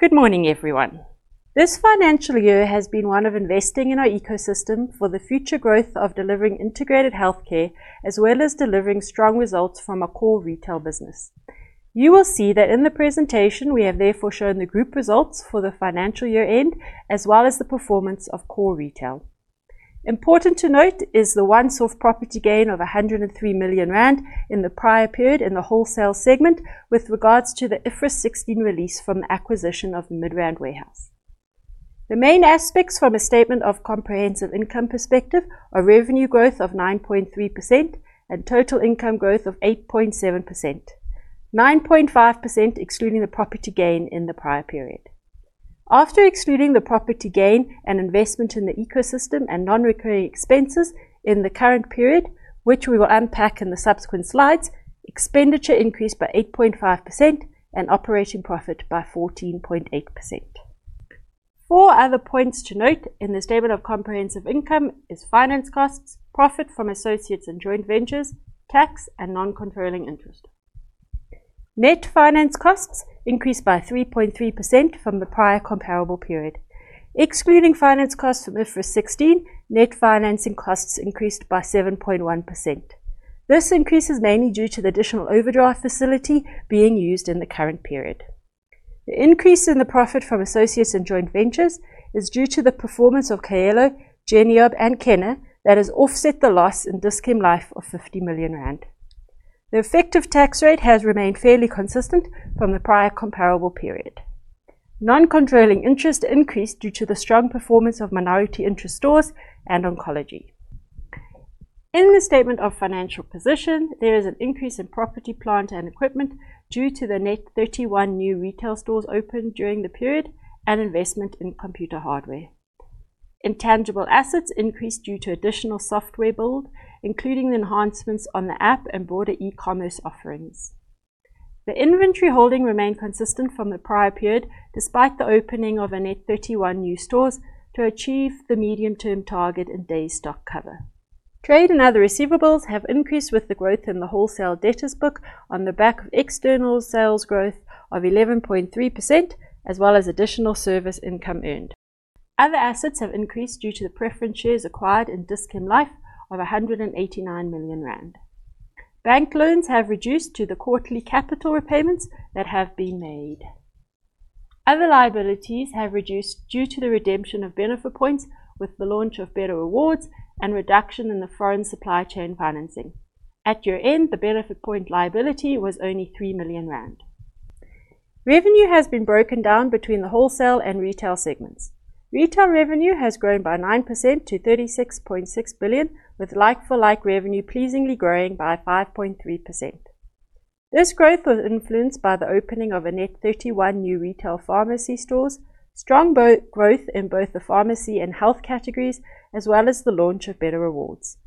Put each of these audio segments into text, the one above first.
Good morning, everyone. This financial year has been one of investing in our ecosystem for the future growth of delivering integrated healthcare, as well as delivering strong results from our core retail business. You will see that in the presentation we have shown the group results for the financial year end, as well as the performance of core retail. Important to note is the once-off property gain of 103 million rand in the prior period in the wholesale segment with regards to the IFRS 16 release from the acquisition of Midrand Warehouse. The main aspects from a statement of comprehensive income perspective are revenue growth of 9.3% and total income growth of 8.7%, 9.5% excluding the property gain in the prior period. After excluding the property gain and investment in the ecosystem and non-recurring expenses in the current period, which we will unpack in the subsequent slides, expenditure increased by 8.5% and operating profit by 14.8%. four other points to note in the statement of comprehensive income is finance costs, profit from associates and joint ventures, tax, and non-controlling interest. Net finance costs increased by 3.3% from the prior comparable period. Excluding finance costs from IFRS 16, net financing costs increased by 7.1%. This increase is mainly due to the additional overdraft facility being used in the current period. The increase in the profit from associates and joint ventures is due to the performance of Kaelo, Genop, and Kena that has offset the loss in Dis-Chem Life of 50 million rand. The effective tax rate has remained fairly consistent from the prior comparable period. Non-controlling interest increased due to the strong performance of minority interest stores and oncology. In the statement of financial position, there is an increase in property, plant, and equipment due to the net 31 new retail stores opened during the period and investment in computer hardware. Intangible assets increased due to additional software build, including the enhancements on the app and broader e-commerce offerings. The inventory holding remained consistent from the prior period, despite the opening of a net 31 new stores to achieve the medium-term target in day stock cover. Trade and other receivables have increased with the growth in the wholesale debtors book on the back of external sales growth of 11.3%, as well as additional service income earned. Other assets have increased due to the preference shares acquired in Dis-Chem Life of 189 million rand. Bank loans have reduced to the quarterly capital repayments that have been made. Other liabilities have reduced due to the redemption of Benefit Points with the launch of Better Rewards and reduction in the foreign supply chain financing. At year-end, the Benefit Point liability was only 3 million rand. Revenue has been broken down between the wholesale and retail segments. Retail revenue has grown by 9% to 36.6 billion, with like-for-like revenue pleasingly growing by 5.3%. This growth was influenced by the opening of a net 31 new retail pharmacy stores, strong growth in both the pharmacy and health categories, as well as the launch of Better Rewards.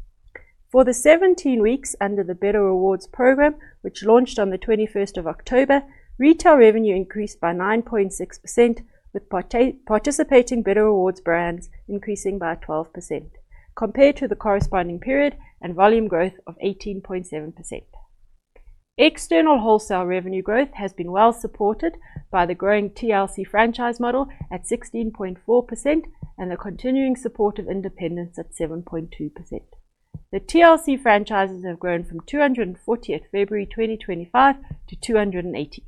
For the 17 weeks under the Better Rewards program, which launched on the October 21st, retail revenue increased by 9.6%, with participating Better Rewards brands increasing by 12% compared to the corresponding period and volume growth of 18.7%. External wholesale revenue growth has been well supported by the growing TLC franchise model at 16.4% and the continuing support of independents at 7.2%. The TLC franchises have grown from 240 stores at February 2025 to 280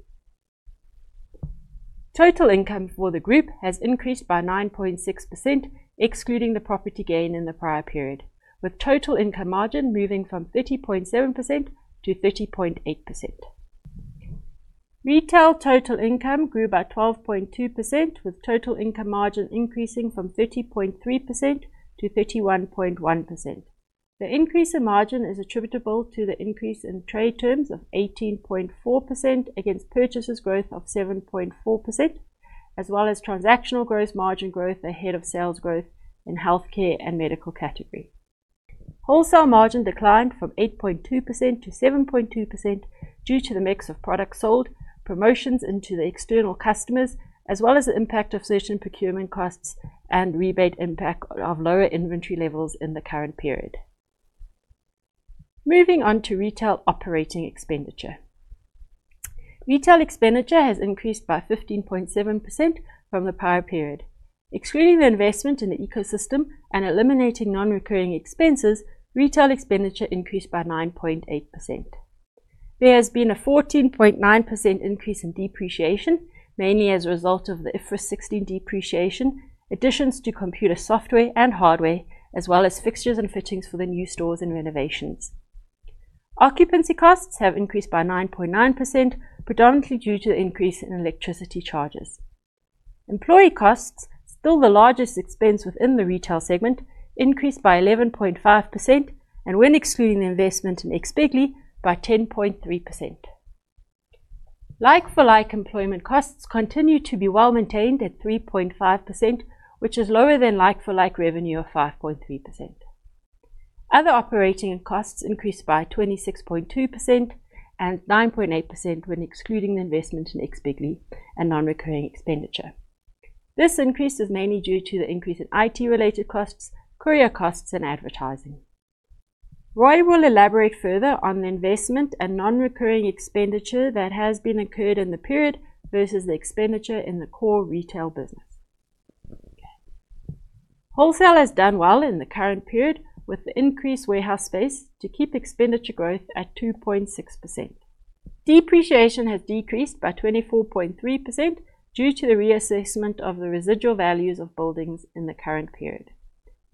stores. Total income for the group has increased by 9.6%, excluding the property gain in the prior period, with total income margin moving from 30.7%-30.8%. Retail total income grew by 12.2%, with total income margin increasing from 50.3%-51.1%. The increase in margin is attributable to the increase in trade terms of 18.4% against purchases growth of 7.4%, as well as transactional gross margin growth ahead of sales growth in healthcare and medical category. Wholesale margin declined from 8.2%-7.2% due to the mix of products sold, promotions into the external customers, as well as the impact of certain procurement costs and rebate impact of lower inventory levels in the current period. Moving on to retail operating expenditure. Retail expenditure has increased by 15.7% from the prior period. Excluding the investment in the ecosystem and eliminating non-recurring expenses, retail expenditure increased by 9.8%. There has been a 14.9% increase in depreciation, mainly as a result of the IFRS 16 depreciation, additions to computer software and hardware, as well as fixtures and fittings for the new stores and renovations. Occupancy costs have increased by 9.9%, predominantly due to the increase in electricity charges. Employee costs, still the largest expense within the retail segment, increased by 11.5% and when excluding the investment in X, bigly by 10.3%. Like-for-like employment costs continue to be well maintained at 3.5%, which is lower than like-for-like revenue of 5.3%. Other operating costs increased by 26.2% and 9.8% when excluding the investment in X, bigly and non-recurring expenditure. This increase is mainly due to the increase in IT related costs, courier costs and advertising. Rui will elaborate further on the investment and non-recurring expenditure that has been incurred in the period versus the expenditure in the core retail business. Wholesale has done well in the current period, with the increased warehouse space to keep expenditure growth at 2.6%. Depreciation has decreased by 24.3% due to the reassessment of the residual values of buildings in the current period.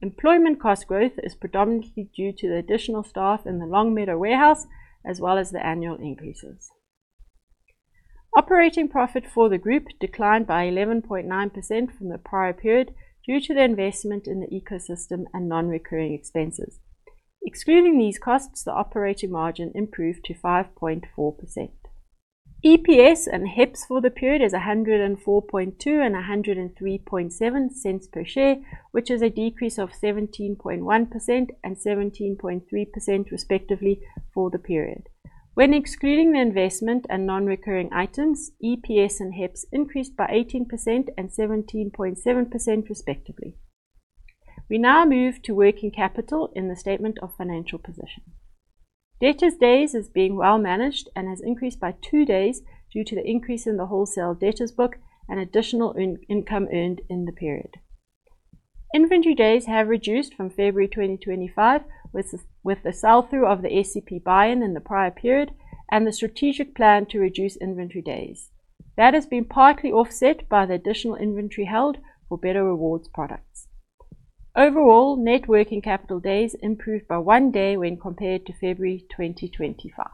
Employment cost growth is predominantly due to the additional staff in the Longmeadow warehouse, as well as the annual increases. Operating profit for the group declined by 11.9% from the prior period due to the investment in the ecosystem and non-recurring expenses. Excluding these costs, the operating margin improved to 5.4%. EPS and HEPS for the period is 1.042 and 1.037 per share, which is a decrease of 17.1% and 17.3% respectively for the period. When excluding the investment and non-recurring items, EPS and HEPS increased by 18% and 17.7% respectively. We now move to working capital in the statement of financial position. Debtors days is being well managed and has increased by two days due to the increase in the wholesale debtors book and additional income earned in the period. Inventory days have reduced from February 2025, with the sell-through of the SCP buy-in in the prior period and the strategic plan to reduce inventory days. That has been partly offset by the additional inventory held for Better Rewards products. Overall, net working capital days improved by one day when compared to February 2025.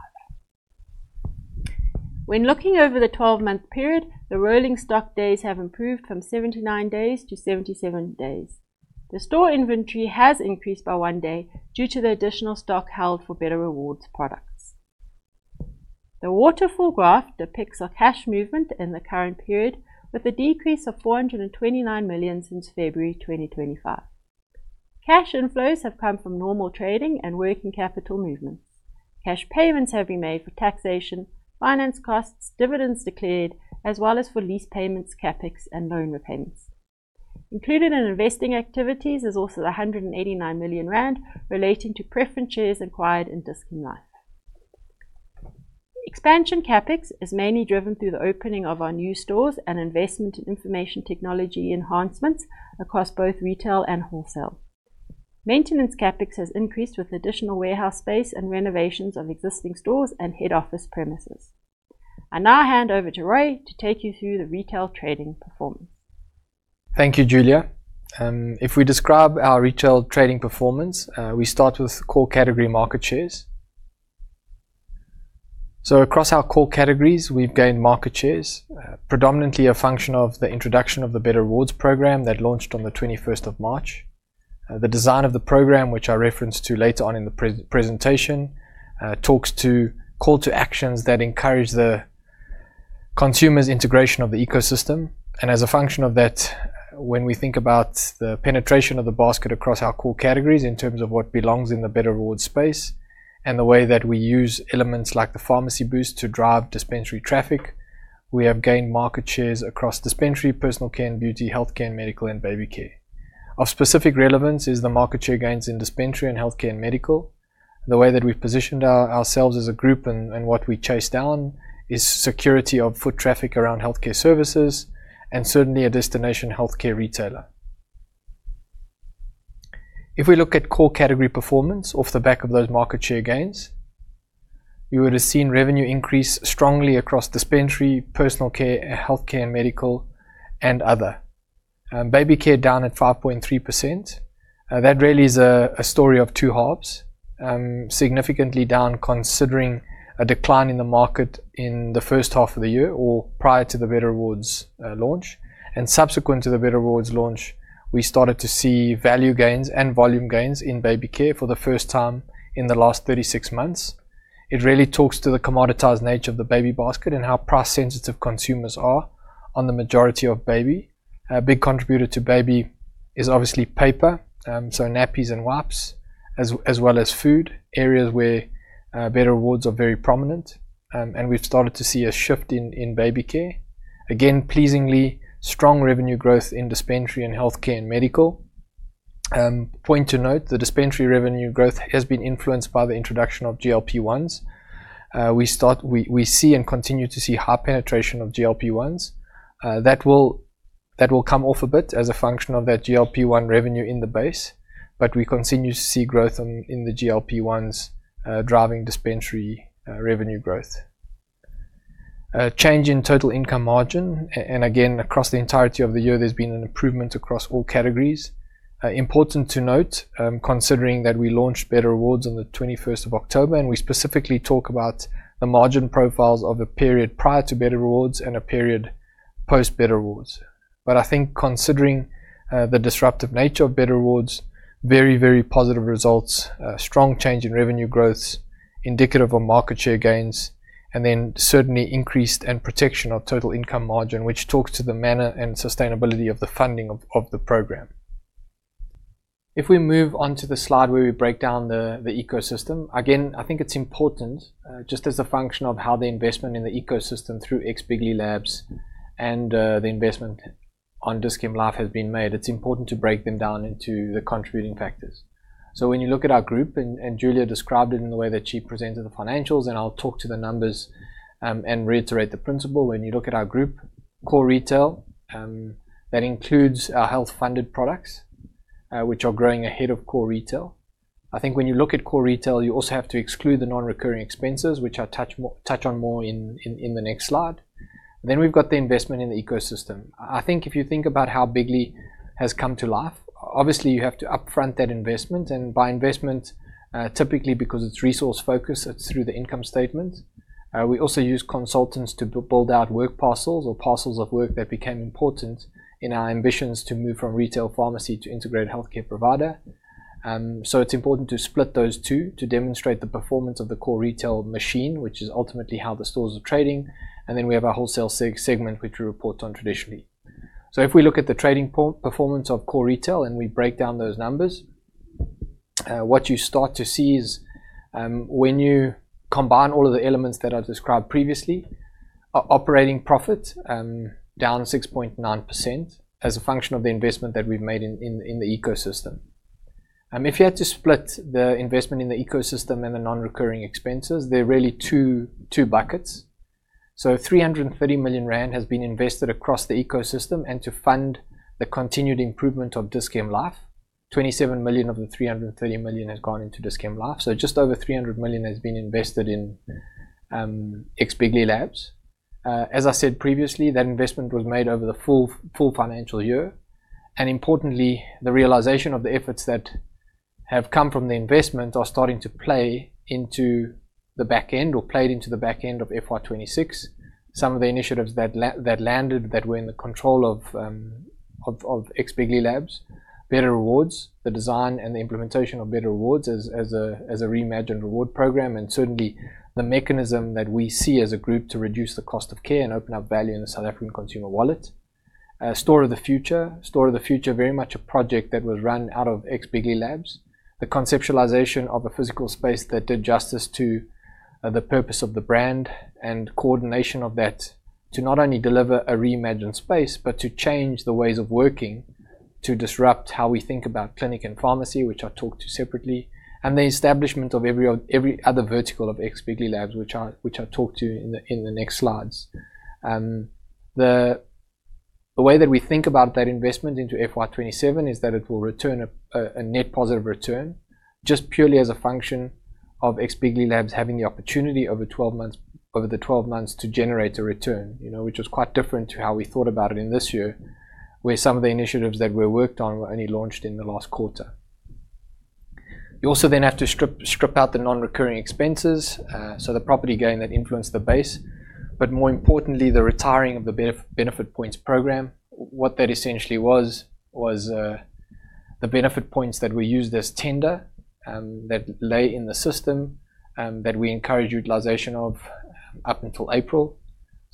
When looking over the 12-month period, the rolling stock days have improved from 79 days-77 days. The store inventory has increased by one day due to the additional stock held for Better Rewards products. The waterfall graph depicts our cash movement in the current period, with a decrease of 429 million since February 2025. Cash inflows have come from normal trading and working capital movements. Cash payments have been made for taxation, finance costs, dividends declared, as well as for lease payments, CapEx, and loan repayments. Included in investing activities is also the 189 million rand relating to preference shares acquired in Dis-Chem Life. Expansion CapEx is mainly driven through the opening of our new stores and investment in information technology enhancements across both retail and wholesale. Maintenance CapEx has increased with additional warehouse space and renovations of existing stores and head office premises. I now hand over to Rui to take you through the retail trading performance. Thank you, Julia. If we describe our retail trading performance, we start with core category market shares. Across our core categories, we've gained market shares, predominantly a function of the introduction of the Better Rewards program that launched on the March 21st. The design of the program, which I reference to later on in the presentation, talks to call to actions that encourage the consumer's integration of the ecosystem. As a function of that, when we think about the penetration of the basket across our core categories in terms of what belongs in the Better Rewards space, and the way that we use elements like the Pharmacy Boost to drive dispensary traffic, we have gained market shares across dispensary, personal care and beauty, healthcare, and medical, and baby care. Of specific relevance is the market share gains in dispensary and healthcare and medical. The way that we've positioned ourselves as a group and what we chase down is security of foot traffic around healthcare services and certainly a destination healthcare retailer. If we look at core category performance off the back of those market share gains, you would have seen revenue increase strongly across dispensary, personal care, healthcare and medical, and other. Baby care down at 5.3%. That really is a story of two halves. Significantly down considering a decline in the market in the first half of the year or prior to the Better Rewards launch. Subsequent to the Better Rewards launch, we started to see value gains and volume gains in baby care for the first time in the last 36 months. It really talks to the commoditized nature of the baby basket and how price sensitive consumers are on the majority of baby. A big contributor to baby is obviously paper, so nappies and wipes, as well as food, areas where Better Rewards are very prominent. We have started to see a shift in baby care. Again, pleasingly strong revenue growth in dispensary and healthcare and medical. Point to note, the dispensary revenue growth has been influenced by the introduction of GLP-1s. We see and continue to see high penetration of GLP-1s. That will come off a bit as a function of that GLP-1 revenue in the base, but we continue to see growth in the GLP-1s driving dispensary revenue growth. A change in total income margin, and again, across the entirety of the year, there has been an improvement across all categories. Important to note, considering that we launched Better Rewards on the October 21st. We specifically talk about the margin profiles of the period prior to Better Rewards and a period post Better Rewards. I think considering the disruptive nature of Better Rewards, very, very positive results, strong change in revenue growths, indicative of market share gains, and then certainly increased and protection of total income margin, which talks to the manner and sustainability of the funding of the program. If we move on to the slide where we break down the ecosystem, again, I think it is important, just as a function of how the investment in the ecosystem through X, bigly labs and the investment on Dis-Chem Life has been made, it is important to break them down into the contributing factors. When you look at our group, and Julia described it in the way that she presented the financials, and I will talk to the numbers and reiterate the principle when you look at our group, core retail, that includes our health-funded products, which are growing ahead of core retail. I think when you look at core retail, you also have to exclude the non-recurring expenses, which I touch on more in the next slide. Then we have got the investment in the ecosystem. If you think about how X, bigly has come to life, obviously you have to upfront that investment, and by investment, typically because it is resource-focused, it is through the income statement. We also use consultants to build out work parcels or parcels of work that became important in our ambitions to move from retail pharmacy to integrated healthcare provider. It is important to split those two to demonstrate the performance of the core retail machine, which is ultimately how the stores are trading. Then we have our wholesale segment, which we report on traditionally. If we look at the trading performance of core retail and we break down those numbers, what you start to see is when you combine all of the elements that I described previously, our operating profit down 6.9% as a function of the investment that we have made in the ecosystem. If you had to split the investment in the ecosystem and the non-recurring expenses, they are really two buckets. 330 million rand has been invested across the ecosystem and to fund the continued improvement of Dis-Chem Life, 27 million of the 330 million has gone into Dis-Chem Life. Just over 300 million has been invested in X, bigly labs. As I said previously, that investment was made over the full financial year. Importantly, the realization of the efforts that have come from the investment are starting to play into the back end or played into the back end of fiscal year 2026. Some of the initiatives that landed that were in the control of X, bigly labs, Better Rewards, the design and the implementation of Better Rewards as a reimagined reward program, and certainly the mechanism that we see as a group to reduce the cost of care and open up value in the South African consumer wallet. Store of the Future. Store of the Future, very much a project that was run out of X, bigly labs. The conceptualization of a physical space that did justice to the purpose of the brand and coordination of that to not only deliver a reimagined space, but to change the ways of working, to disrupt how we think about clinic and pharmacy, which I will talk to separately, and the establishment of every other vertical of X, bigly labs, which I will talk to you in the next slides. The way that we think about that investment into fiscal year 2027 is that it will return a net positive return just purely as a function of X, bigly labs having the opportunity over the 12 months to generate a return, which was quite different to how we thought about it in this year, where some of the initiatives that were worked on were only launched in the last quarter. Also, you have to strip out the non-recurring expenses, so the property gain that influenced the base, but more importantly, the retiring of the Benefit Card program. What that essentially was the Benefit Point that we used as tender that lay in the system, that we encouraged utilization of up until April.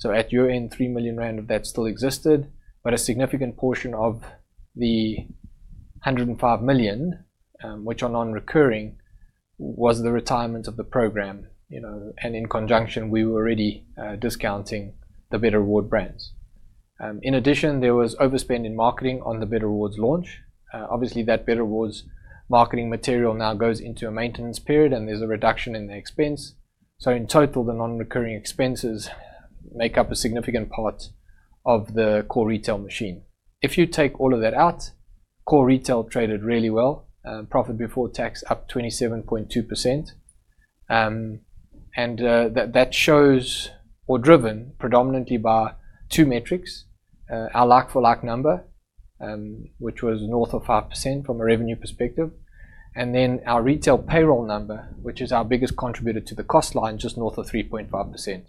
At year-end, 3 million rand of that still existed, but a significant portion of the 105 million, which are non-recurring, was the retirement of the program. In conjunction, we were already discounting the Better Reward brands. In addition, there was overspend in marketing on the Better Rewards launch. Obviously, that Better Rewards marketing material now goes into a maintenance period, and there is a reduction in the expense. In total, the non-recurring expenses make up a significant part of the core retail machine. If you take all of that out, core retail traded really well, profit before tax up 27.2%. That shows or driven predominantly by two metrics, our like-for-like number which was north of 5% from a revenue perspective, and our retail payroll number, which is our biggest contributor to the cost line, just north of 3.5%.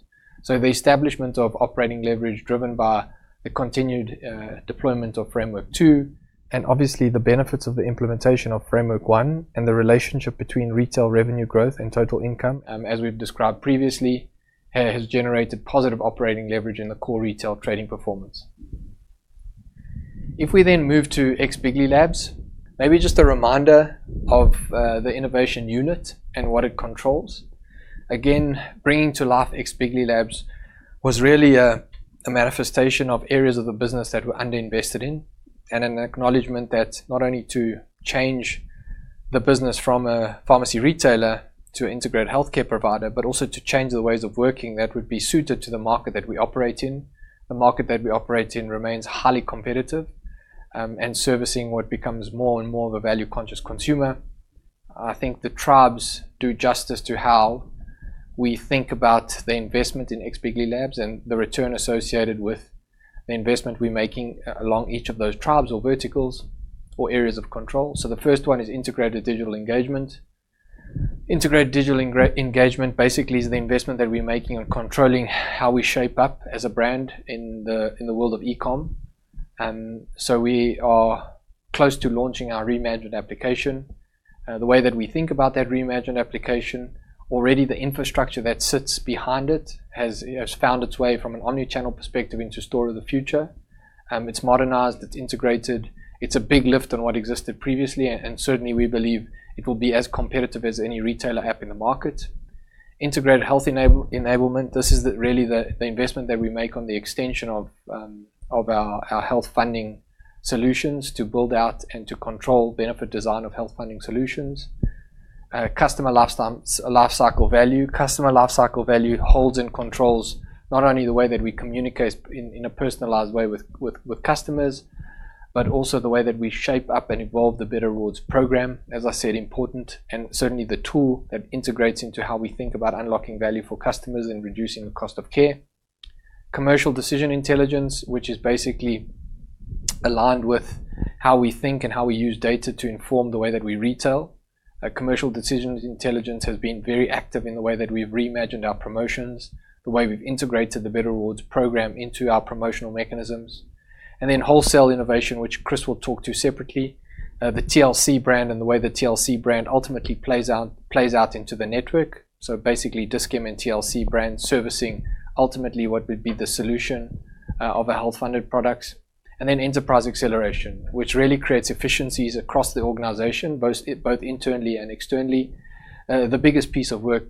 The establishment of operating leverage driven by the continued deployment of Framework 2 and obviously the benefits of the implementation of Framework 1 and the relationship between retail revenue growth and total income, as we have described previously, has generated positive operating leverage in the core retail trading performance. If we move to X, bigly labs, maybe just a reminder of the innovation unit and what it controls. Bringing to life X, bigly labs was really a manifestation of areas of the business that were underinvested in, and an acknowledgment that not only to change the business from a pharmacy retailer to integrated healthcare provider, but also to change the ways of working that would be suited to the market that we operate in. The market that we operate in remains highly competitive, and servicing what becomes more and more of a value-conscious consumer. I think the tribes do justice to how we think about the investment in X, bigly labs and the return associated with the investment we're making along each of those tribes or verticals or areas of control. The first one is integrated digital engagement. Integrated digital engagement basically is the investment that we're making on controlling how we shape up as a brand in the world of e-commerce. We are close to launching our reimagined application. The way that we think about that reimagined application, already the infrastructure that sits behind it has found its way from an omnichannel perspective into Store of the Future. It's modernized, it's integrated. It's a big lift on what existed previously, and certainly, we believe it will be as competitive as any retailer app in the market. Integrated health enablement. This is really the investment that we make on the extension of our health funding solutions to build out and to control benefit design of health funding solutions. Customer lifecycle value. Customer lifecycle value holds and controls not only the way that we communicate in a personalized way with customers, but also the way that we shape up and evolve the Better Rewards, as I said, important and certainly the tool that integrates into how we think about unlocking value for customers and reducing the cost of care. Commercial decision intelligence, which is basically aligned with how we think and how we use data to inform the way that we retail. Commercial decision intelligence has been very active in the way that we've reimagined our promotions, the way we've integrated the Better Rewards into our promotional mechanisms. Wholesale innovation, which Chris will talk to separately. The TLC brand and the way the TLC brand ultimately plays out into the network. Basically, Dis-Chem and TLC brand servicing ultimately what would be the solution of our health-funded products. Enterprise acceleration, which really creates efficiencies across the organization, both internally and externally. The biggest piece of work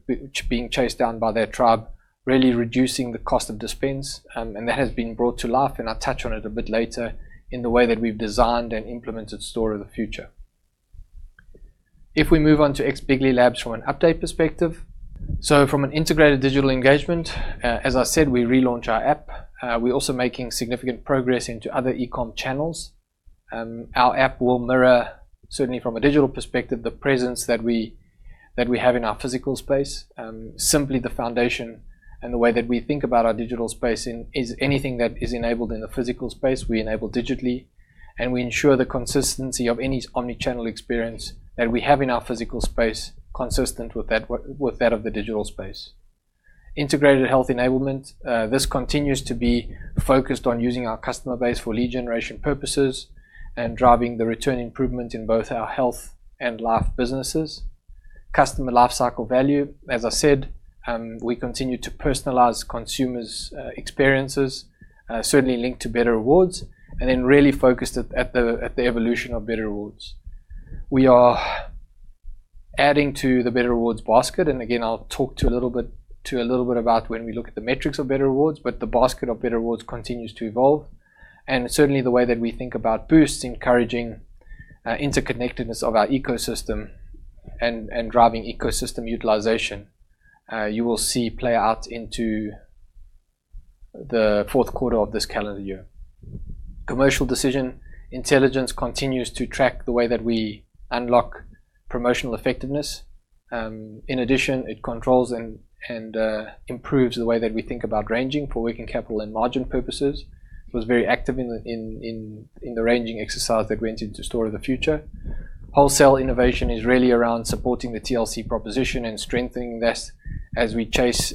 being chased down by that tribe, really reducing the cost of dispense, and that has been brought to life, and I'll touch on it a bit later, in the way that we've designed and implemented Store of the Future. If we move on to X, bigly labs from an update perspective. From an integrated digital engagement, as I said, we relaunch our app. We're also making significant progress into other e-commerce channels. Our app will mirror, certainly from a digital perspective, the presence that we have in our physical space. Simply the foundation and the way that we think about our digital space is anything that is enabled in the physical space, we enable digitally, and we ensure the consistency of any omnichannel experience that we have in our physical space consistent with that of the digital space. Integrated health enablement. This continues to be focused on using our customer base for lead generation purposes and driving the return improvement in both our health and life businesses. Customer lifecycle value. As I said, we continue to personalize consumers' experiences, certainly linked to Better Rewards, really focused at the evolution of Better Rewards. We are adding to the Better Rewards basket, I'll talk to a little bit about when we look at the metrics of Better Rewards, the basket of Better Rewards continues to evolve. Certainly, the way that we think about boosts, encouraging interconnectedness of our ecosystem and driving ecosystem utilization, you will see play out into the fourth quarter of this calendar year. Commercial decision intelligence continues to track the way that we unlock promotional effectiveness. In addition, it controls and improves the way that we think about ranging for working capital and margin purposes. Was very active in the ranging exercise that went into Store of the Future. Wholesale innovation is really around supporting the TLC proposition and strengthening this as we chase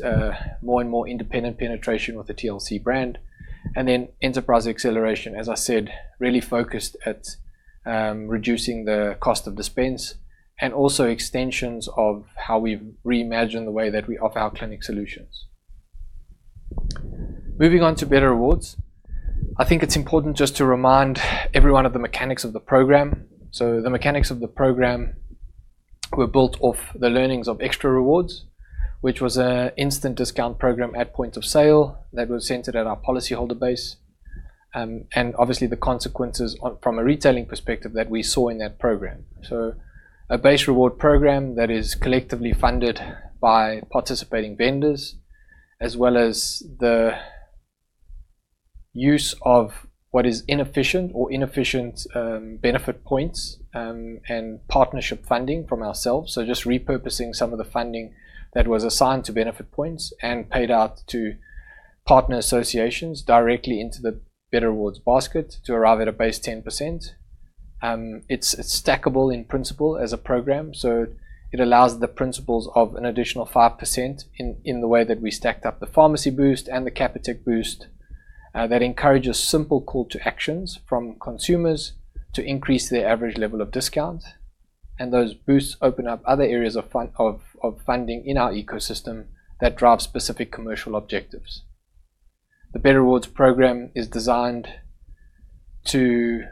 more and more independent penetration with the TLC brand. Enterprise acceleration. As I said, really focused at reducing the cost of dispense and also extensions of how we've reimagined the way that we offer our clinic solutions. Moving on to Better Rewards. I think it's important just to remind everyone of the mechanics of the program. The mechanics of the program were built off the learnings of Extra Rewards, which was an instant discount program at point of sale that was centered at our policyholder base, obviously the consequences from a retailing perspective that we saw in that program. A base reward program that is collectively funded by participating vendors, as well as the use of what is inefficient Benefit Points, partnership funding from ourselves. Just repurposing some of the funding that was assigned to Benefit Points and paid out to partner associations directly into the Better Rewards basket to arrive at a base 10%. It's stackable in principle as a program, it allows the principles of an additional 5% in the way that we stacked up the Pharmacy Boost and the Capitec boost. That encourages simple call to actions from consumers to increase their average level of discount, those boosts open up other areas of funding in our ecosystem that drive specific commercial objectives. The Better Rewards program is designed to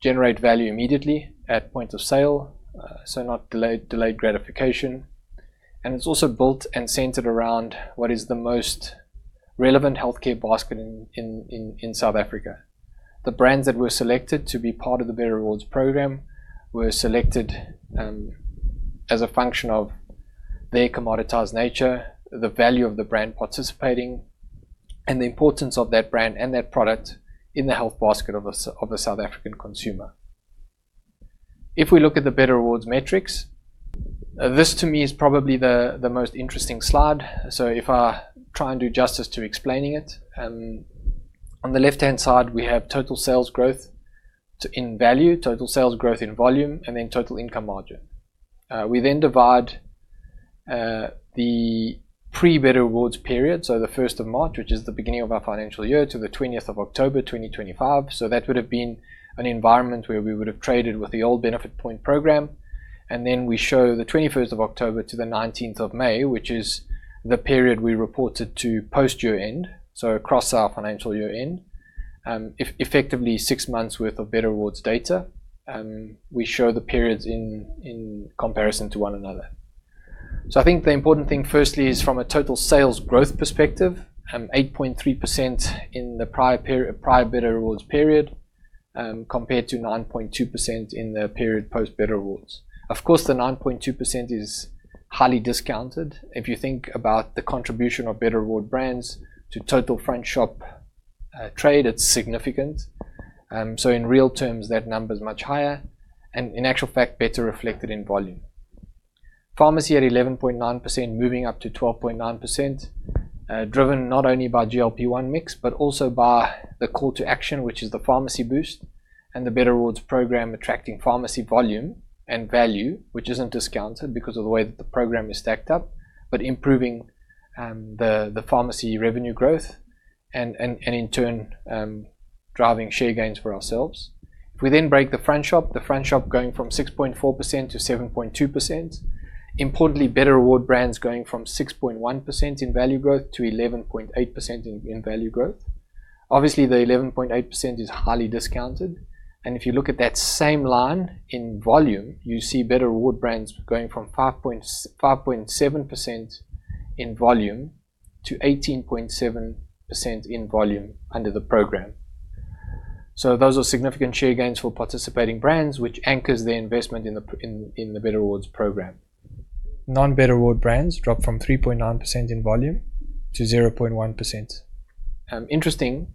generate value immediately at point of sale, not delayed gratification. It's also built and centered around what is the most relevant healthcare basket in South Africa. The brands that were selected to be part of the Better Rewards program were selected as a function of their commoditized nature, the value of the brand participating, the importance of that brand and that product in the health basket of a South African consumer. If we look at the Better Rewards metrics, this to me is probably the most interesting slide. If I try and do justice to explaining it, on the left-hand side, we have total sales growth in value, total sales growth in volume, total income margin. We divide the pre-Better Rewards period, the March 1st, which is the beginning of our financial year, to the October 20th, 2025. That would have been an environment where we would have traded with the old Benefit Point program. We show the October 21st-May 19th, which is the period we reported to post year-end, across our financial year-end, effectively six months worth of Better Rewards data. We show the periods in comparison to one another. I think the important thing firstly is from a total sales growth perspective, 8.3% in the prior Better Rewards period, compared to 9.2% in the period post Better Rewards. Of course, the 9.2% is highly discounted. If you think about the contribution of Better Rewards brands to total front shop trade, it's significant. In real terms, that number is much higher and in actual fact, better reflected in volume. Pharmacy at 11.9% moving up to 12.9%, driven not only by GLP-1 mix, but also by the call to action, which is the Pharmacy Boost and the Better Rewards program attracting pharmacy volume and value, which isn't discounted because of the way that the program is stacked up, but improving the pharmacy revenue growth and in turn, driving share gains for ourselves. We break the front shop, the front shop going from 6.4%-7.2%. Importantly, Better Rewards brands going from 6.1% in value growth to 11.8% in value growth. Obviously, the 11.8% is highly discounted, and if you look at that same line in volume, you see Better Rewards brands going from 5.7% in volume to 18.7% in volume under the program. Those are significant share gains for participating brands, which anchors their investment in the Better Rewards program. Non-Better Rewards brands dropped from 3.9% in volume to 0.1%. Interesting,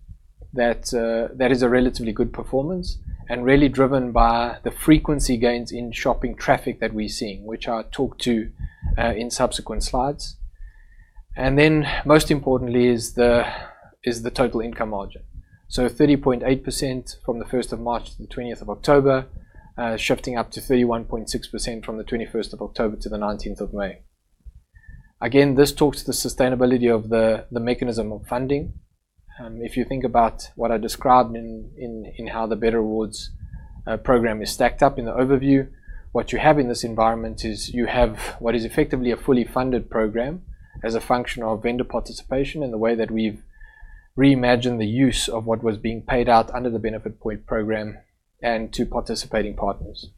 that is a relatively good performance and really driven by the frequency gains in shopping traffic that we're seeing, which I'll talk to in subsequent slides. Most importantly is the total income margin. 30.8% from the March 1st-October 20th, shifting up to 31.6% from the October 21st-May 19th. Again, this talks to the sustainability of the mechanism of funding. If you think about what I described in how the Better Rewards program is stacked up in the overview, what you have in this environment is you have what is effectively a fully funded program as a function of vendor participation in the way that we've reimagined the use of what was being paid out under the Benefit Point program and to participating partners.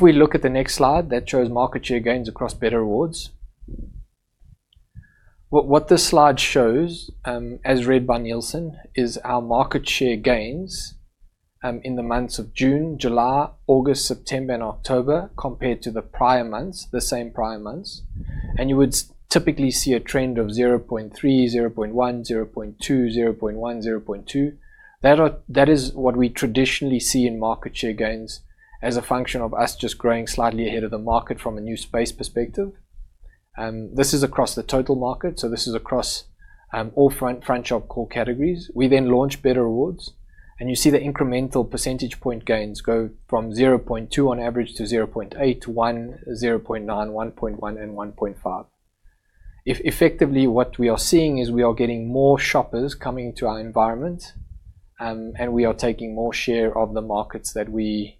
We look at the next slide that shows market share gains across Better Rewards. What this slide shows, as read by Nielsen, is our market share gains, in the months of June, July, August, September, and October, compared to the prior months, the same prior months. You would typically see a trend of 0.3%, 0.1%, 0.2%, 0.1%, 0.2%. That is what we traditionally see in market share gains as a function of us just growing slightly ahead of the market from a new space perspective. This is across the total market. This is across all front shop core categories. We then launch Better Rewards, you see the incremental percentage point gains go from 0.2 percentage points on average to 0.8 percentage points, 1 percentage points, 0.9 percentage points, 1.1 percentage points, and 1.5 percentage points. Effectively what we are seeing is we are getting more shoppers coming to our environment, we are taking more share of the markets that we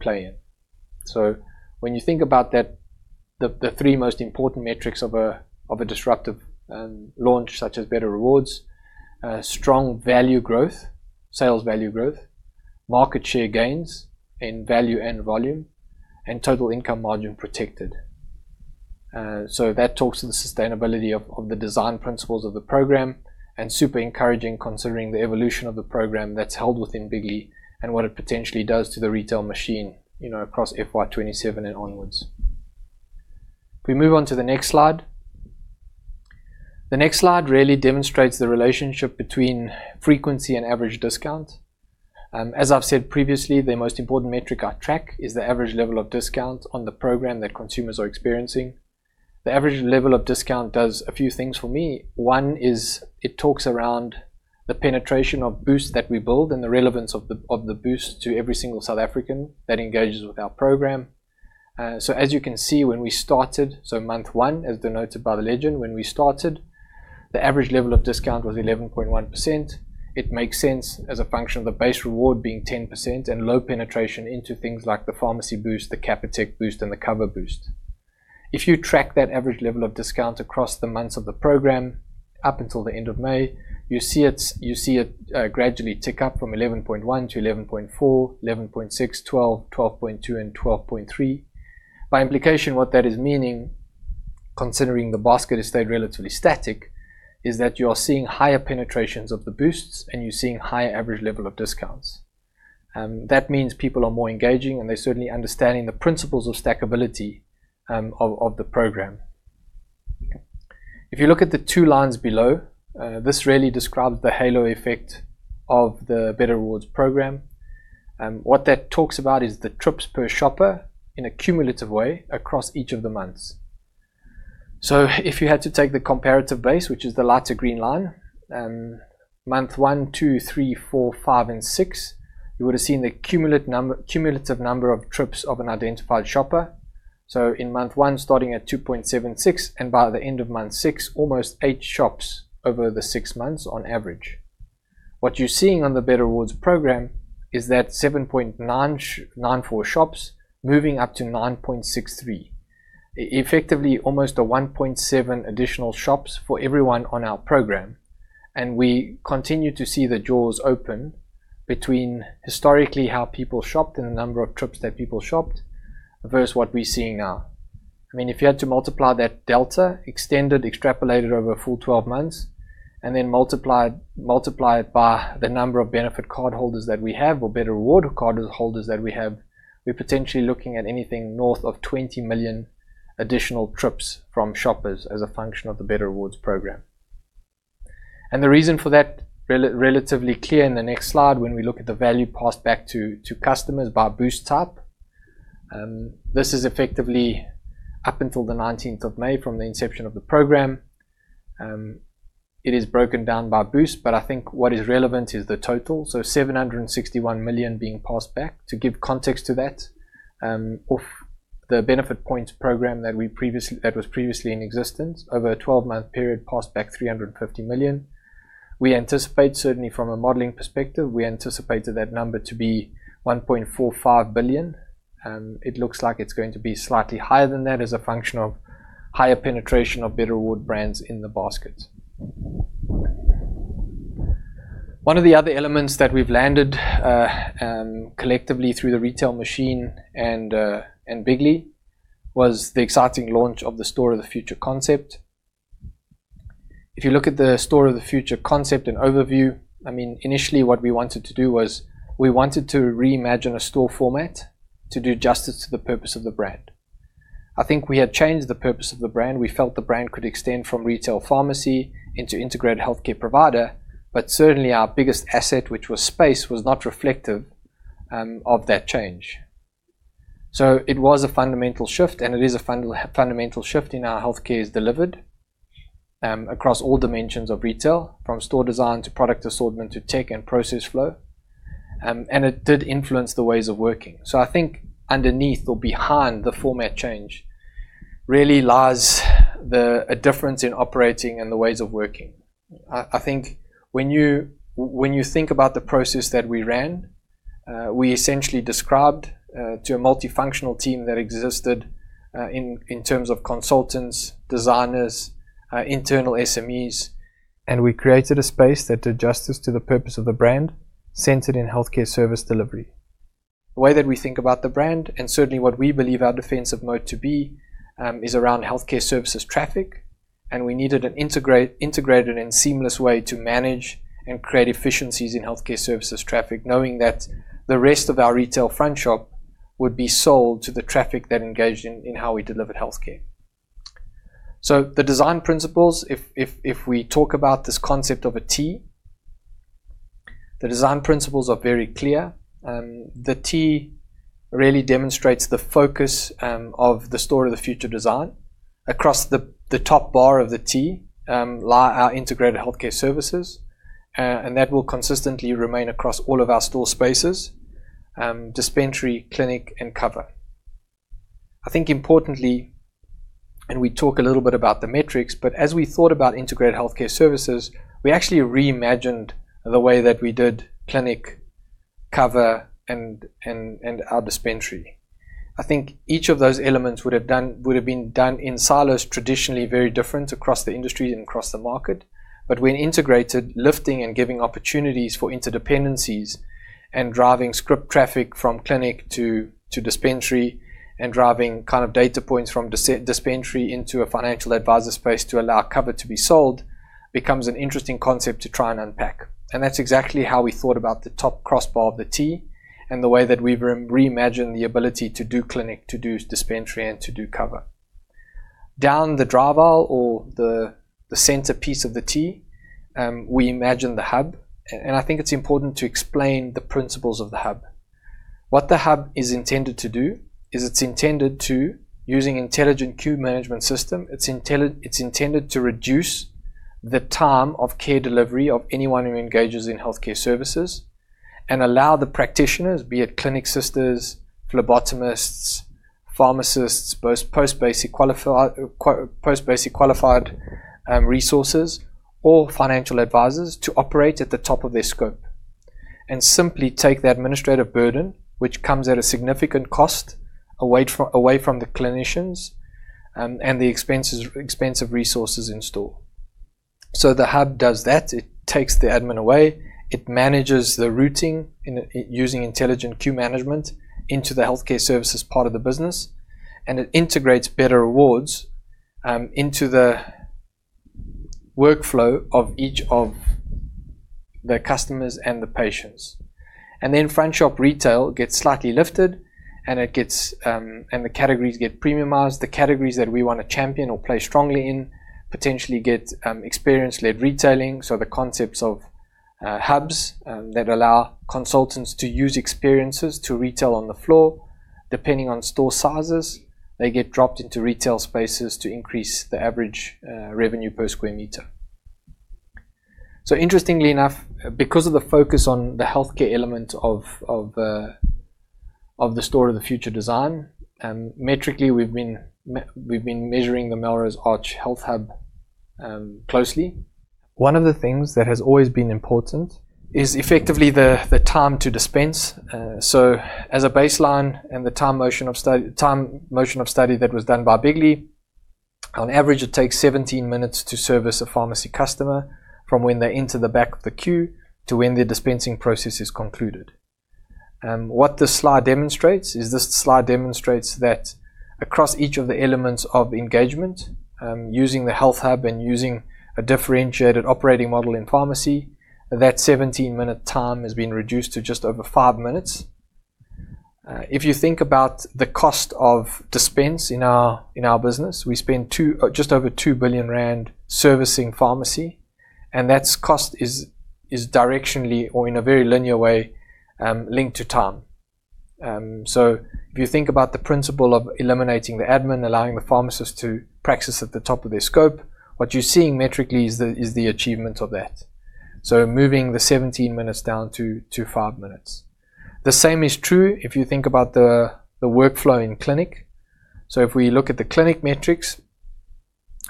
play in. When you think about the three most important metrics of a disruptive launch such as Better Rewards, strong value growth, sales value growth, market share gains in value and volume, and total income margin protected. That talks to the sustainability of the design principles of the program and super encouraging considering the evolution of the program that's held within X, bigly and what it potentially does to the retail machine across fiscal year 2027 and onwards. We move on to the next slide. The next slide really demonstrates the relationship between frequency and average discount. As I've said previously, the most important metric I track is the average level of discount on the program that consumers are experiencing. The average level of discount does a few things for me. One is it talks around the penetration of boosts that we build and the relevance of the boost to every single South African that engages with our program. As you can see when we started, month one as denoted by the legend, when we started, the average level of discount was 11.1%. It makes sense as a function of the base reward being 10% and low penetration into things like the Pharmacy Boost, the Capitec boost, and the cover boost. If you track that average level of discount across the months of the program, up until the end of May, you see it gradually tick up from 11.1%-11.4%, 11.6%, 12.2%, and 12.3%. By implication, what that is meaning, considering the basket has stayed relatively static, is that you are seeing higher penetrations of the boosts and you're seeing higher average level of discounts. That means people are more engaging and they're certainly understanding the principles of stackability of the program. If you look at the two lines below, this really describes the halo effect of the Better Rewards program. What that talks about is the trips per shopper in a cumulative way across each of the months. If you had to take the comparative base, which is the lighter green line, month one, two, three, four, five, and six, you would have seen the cumulative number of trips of an identified shopper. In month one, starting at 2.76, and by the end of month six, almost eight shops over the six months on average. What you're seeing on the Better Rewards program is that 7.94 shops moving up to 9.63 shops. Effectively, almost a 1.7 additional shops for everyone on our program. We continue to see the jaws open between historically how people shopped and the number of trips that people shopped versus what we're seeing now. If you had to multiply that delta, extended, extrapolated over a full 12 months, then multiply it by the number of benefit cardholders that we have or Better Rewards cardholders that we have, we are potentially looking at anything north of 20 million additional trips from shoppers as a function of the Better Rewards program. The reason for that, relatively clear in the next slide, when we look at the value passed back to customers by boost type. This is effectively up until the 19th of May from the inception of the program. It is broken down by boost, but I think what is relevant is the total, so 761 million being passed back. To give context to that, off the Benefit Point program that was previously in existence, over a 12-month period, passed back 350 million. We anticipate, certainly from a modeling perspective, we anticipated that number to be 1.45 billion. It looks like it is going to be slightly higher than that as a function of higher penetration of Better Rewards brands in the basket. One of the other elements that we have landed collectively through the retail machine and Bigly was the exciting launch of the Store of the Future concept. If you look at the Store of the Future concept and overview, initially what we wanted to do was we wanted to reimagine a store format to do justice to the purpose of the brand. I think we had changed the purpose of the brand. We felt the brand could extend from retail pharmacy into integrated healthcare provider, but certainly our biggest asset, which was space, was not reflective of that change. It was a fundamental shift, and it is a fundamental shift in how healthcare is delivered across all dimensions of retail, from store design to product assortment to tech and process flow. It did influence the ways of working. I think underneath or behind the format change really lies a difference in operating and the ways of working. I think when you think about the process that we ran, we essentially described to a multifunctional team that existed, in terms of consultants, designers, internal SMEs, and we created a space that did justice to the purpose of the brand, centered in healthcare service delivery. The way that we think about the brand, and certainly what we believe our defensive mode to be, is around healthcare services traffic, and we needed an integrated and seamless way to manage and create efficiencies in healthcare services traffic, knowing that the rest of our retail front shop would be sold to the traffic that engaged in how we delivered healthcare. So the design principles, if we talk about this concept of a T, the design principles are very clear. The T really demonstrates the focus of the Store of the Future design. Across the top bar of the T lie our integrated healthcare services, and that will consistently remain across all of our store spaces, dispensary, clinic, and cover. I think importantly, we talk a little bit about the metrics, but as we thought about integrated healthcare services, we actually reimagined the way that we did clinic cover and our dispensary. I think each of those elements would have been done in silos traditionally very different across the industry and across the market. When integrated, lifting and giving opportunities for interdependencies and driving script traffic from clinic to dispensary, and driving kind of data points from dispensary into a financial advisor space to allow cover to be sold, becomes an interesting concept to try and unpack. That's exactly how we thought about the top crossbar of the T and the way that we've reimagined the ability to do clinic, to do dispensary, and to do cover. Down the draw bar or the centerpiece of the T, we imagine the hub. I think it's important to explain the principles of the hub. What the hub is intended to do is it's intended to, using intelligent queue management system, it's intended to reduce the time of care delivery of anyone who engages in healthcare services and allow the practitioners, be it clinic sisters, phlebotomists, pharmacists, post basic qualified resources, or financial advisors, to operate at the top of their scope. Simply take the administrative burden, which comes at a significant cost, away from the clinicians and the expensive resources in store. The hub does that. It takes the admin away. It manages the routing using intelligent queue management into the healthcare services part of the business, and it integrates Better Rewards into the workflow of each of the customers and the patients. Front shop retail gets slightly lifted, and the categories get premiumized. The categories that we want to champion or play strongly in potentially get experience-led retailing. The concepts of hubs that allow consultants to use experiences to retail on the floor, depending on store sizes, they get dropped into retail spaces to increase the average revenue per square meter. Interestingly enough, because of the focus on the healthcare element of the Store of the Future design, metrically, we've been measuring the Melrose Arch Health Hub closely. One of the things that has always been important is effectively the time to dispense. As a baseline and the time motion of study that was done by Bigly, on average, it takes 17 minutes to service a pharmacy customer from when they enter the back of the queue to when their dispensing process is concluded. What this slide demonstrates is this slide demonstrates that across each of the elements of engagement, using the health hub and using a differentiated operating model in pharmacy, that 17-minute time has been reduced to just over five minutes. If you think about the cost of dispense in our business, we spend just over 2 billion rand servicing pharmacy. That cost is directionally or in a very linear way, linked to time. If you think about the principle of eliminating the admin, allowing the pharmacist to practice at the top of their scope, what you're seeing metrically is the achievement of that. Moving the 17 minutes down to five minutes. The same is true if you think about the workflow in clinic. If we look at the clinic metrics,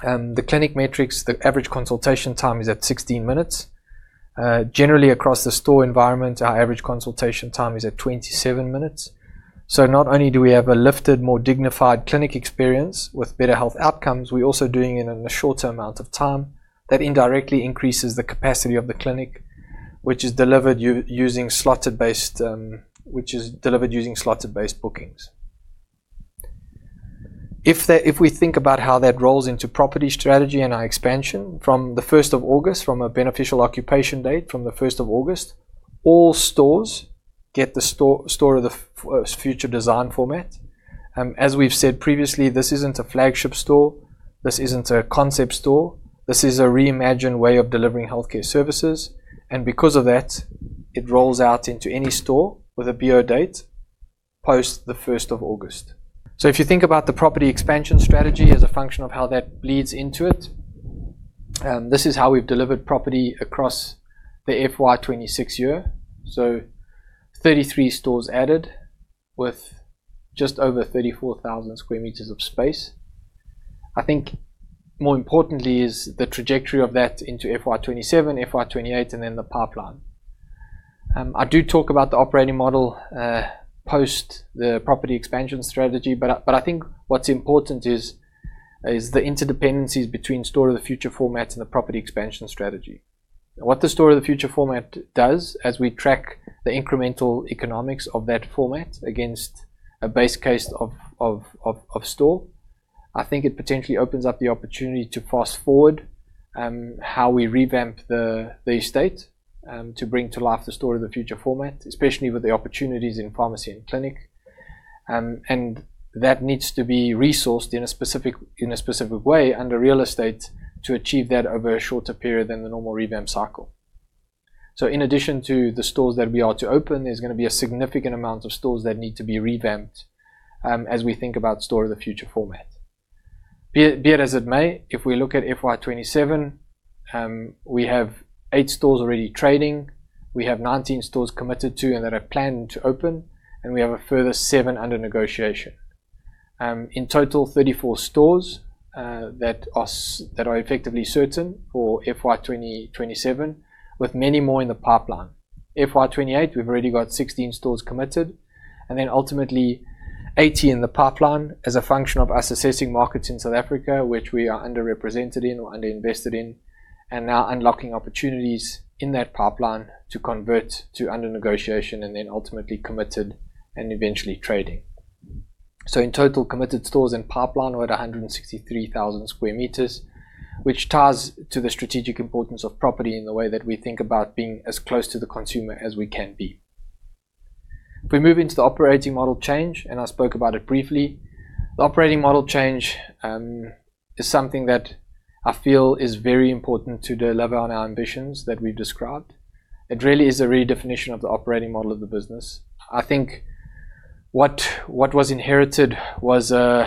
the average consultation time is at 16 minutes. Generally, across the store environment, our average consultation time is at 27 minutes. Not only do we have a lifted, more dignified clinic experience with better health outcomes, we're also doing it in a shorter amount of time. That indirectly increases the capacity of the clinic, which is delivered using slotted-based bookings. If we think about how that rolls into property strategy and our expansion from the August 1st, from a beneficial occupation date from the August 1st, all stores get the Store of the Future design format. As we've said previously, this isn't a flagship store, this isn't a concept store, this is a reimagined way of delivering healthcare services, and because of that, it rolls out into any store with a BO date, post the August 1st. If you think about the property expansion strategy as a function of how that bleeds into it, this is how we've delivered property across the fiscal year 2026 year. 33 stores added with just over 34,000 sq m of space. I think more importantly is the trajectory of that into fiscal year 2027, fiscal year 2028, and then the pipeline. I do talk about the operating model post the property expansion strategy, but I think what's important is the interdependencies between Store of the Future formats and the property expansion strategy. What the Store of the Future format does as we track the incremental economics of that format against a base case of store, I think it potentially opens up the opportunity to fast-forward how we revamp the estate to bring to life the Store of the Future format, especially with the opportunities in pharmacy and clinic. That needs to be resourced in a specific way under real estate to achieve that over a shorter period than the normal revamp cycle. In addition to the stores that we are to open, there's going to be a significant amount of stores that need to be revamped as we think about Store of the Future format. Be it as it may, if we look at fiscal year 2027, we have eight stores already trading, we have 19 stores committed to and that are planned to open, and we have a further seven under negotiation. In total, 34 stores that are effectively certain for fiscal year 2027 with many more in the pipeline. fiscal year 2028, we've already got 16 stores committed, then ultimately 80 in the pipeline as a function of us assessing markets in South Africa which we are underrepresented in or under-invested in, now unlocking opportunities in that pipeline to convert to under negotiation and then ultimately committed and eventually trading. In total, committed stores in pipeline we're at 163,000 sq m, which ties to the strategic importance of property in the way that we think about being as close to the consumer as we can be. If we move into the operating model change, and I spoke about it briefly, the operating model change is something that I feel is very important to deliver on our ambitions that we've described. It really is a redefinition of the operating model of the business. I think what was inherited was a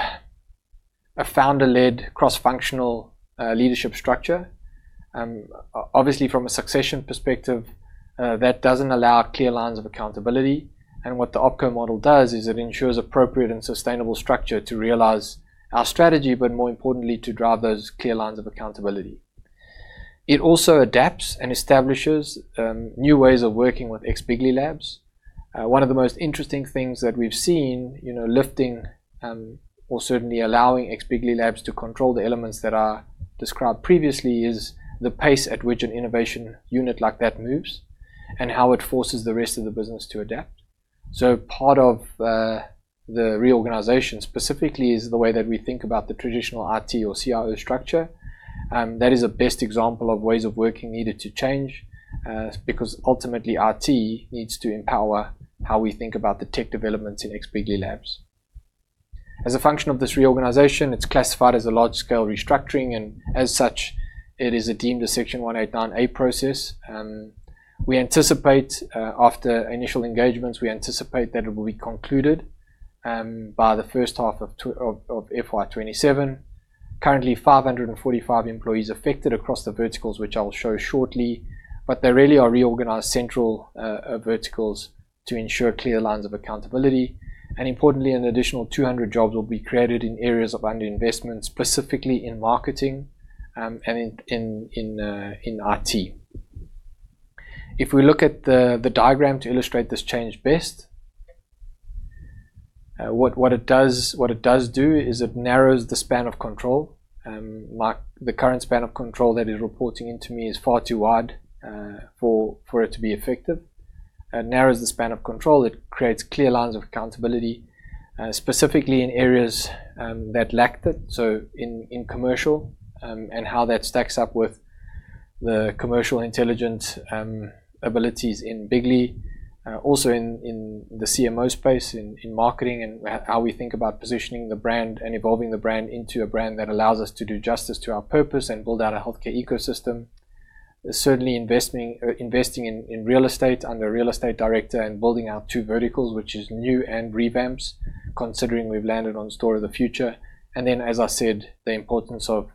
founder-led, cross-functional leadership structure. Obviously, from a succession perspective, that doesn't allow clear lines of accountability. What the OpCo model does is it ensures appropriate and sustainable structure to realize our strategy, but more importantly, to drive those clear lines of accountability. It also adapts and establishes new ways of working with X, bigly labs. One of the most interesting things that we've seen lifting or certainly allowing X, bigly labs to control the elements that are described previously is the pace at which an innovation unit like that moves, and how it forces the rest of the business to adapt. Part of the reorganization specifically is the way that we think about the traditional IT or CIO structure. That is a best example of ways of working needed to change because ultimately, IT needs to empower how we think about the tech developments in X, bigly labs. As a function of this reorganization, it's classified as a large-scale restructuring, and as such, it is a deemed a Section 189A process. After initial engagements, we anticipate that it will be concluded by the first half of fiscal year 2027. Currently, 545 employees affected across the verticals, which I will show shortly. They really are reorganized central verticals to ensure clear lines of accountability. Importantly, an additional 200 jobs will be created in areas of under-investment, specifically in marketing and in IT. If we look at the diagram to illustrate this change best, it narrows the span of control. The current span of control that is reporting into me is far too wide for it to be effective. It narrows the span of control. It creates clear lines of accountability, specifically in areas that lacked it. In commercial, and how that stacks up with the commercial intelligence abilities in Bigly. Also in the CMO space, in marketing, and how we think about positioning the brand and evolving the brand into a brand that allows us to do justice to our purpose and build out a healthcare ecosystem. Certainly investing in real estate under a real estate director and building out two verticals, which is new and revamps, considering we've landed on Store of the Future. As I said, the importance of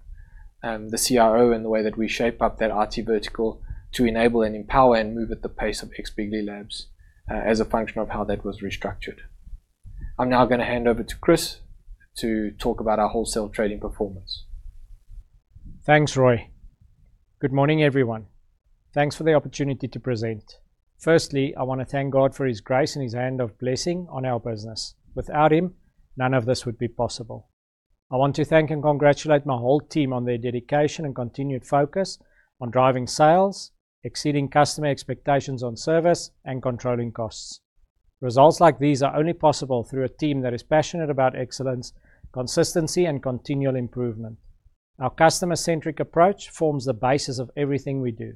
the CRO and the way that we shape up that RT vertical to enable and empower and move at the pace of X, bigly labs as a function of how that was restructured. I'm now going over to Chris to talk about our wholesale trading performance. Thanks, Rui. Good morning, everyone. Thanks for the opportunity to present. Firstly, I want to thank God for his grace and his hand of blessing on our business. Without him, none of this would be possible. I want to thank and congratulate my whole team on their dedication and continued focus on driving sales, exceeding customer expectations on service, and controlling costs. Results like these are only possible through a team that is passionate about excellence, consistency, and continual improvement. Our customer-centric approach forms the basis of everything we do,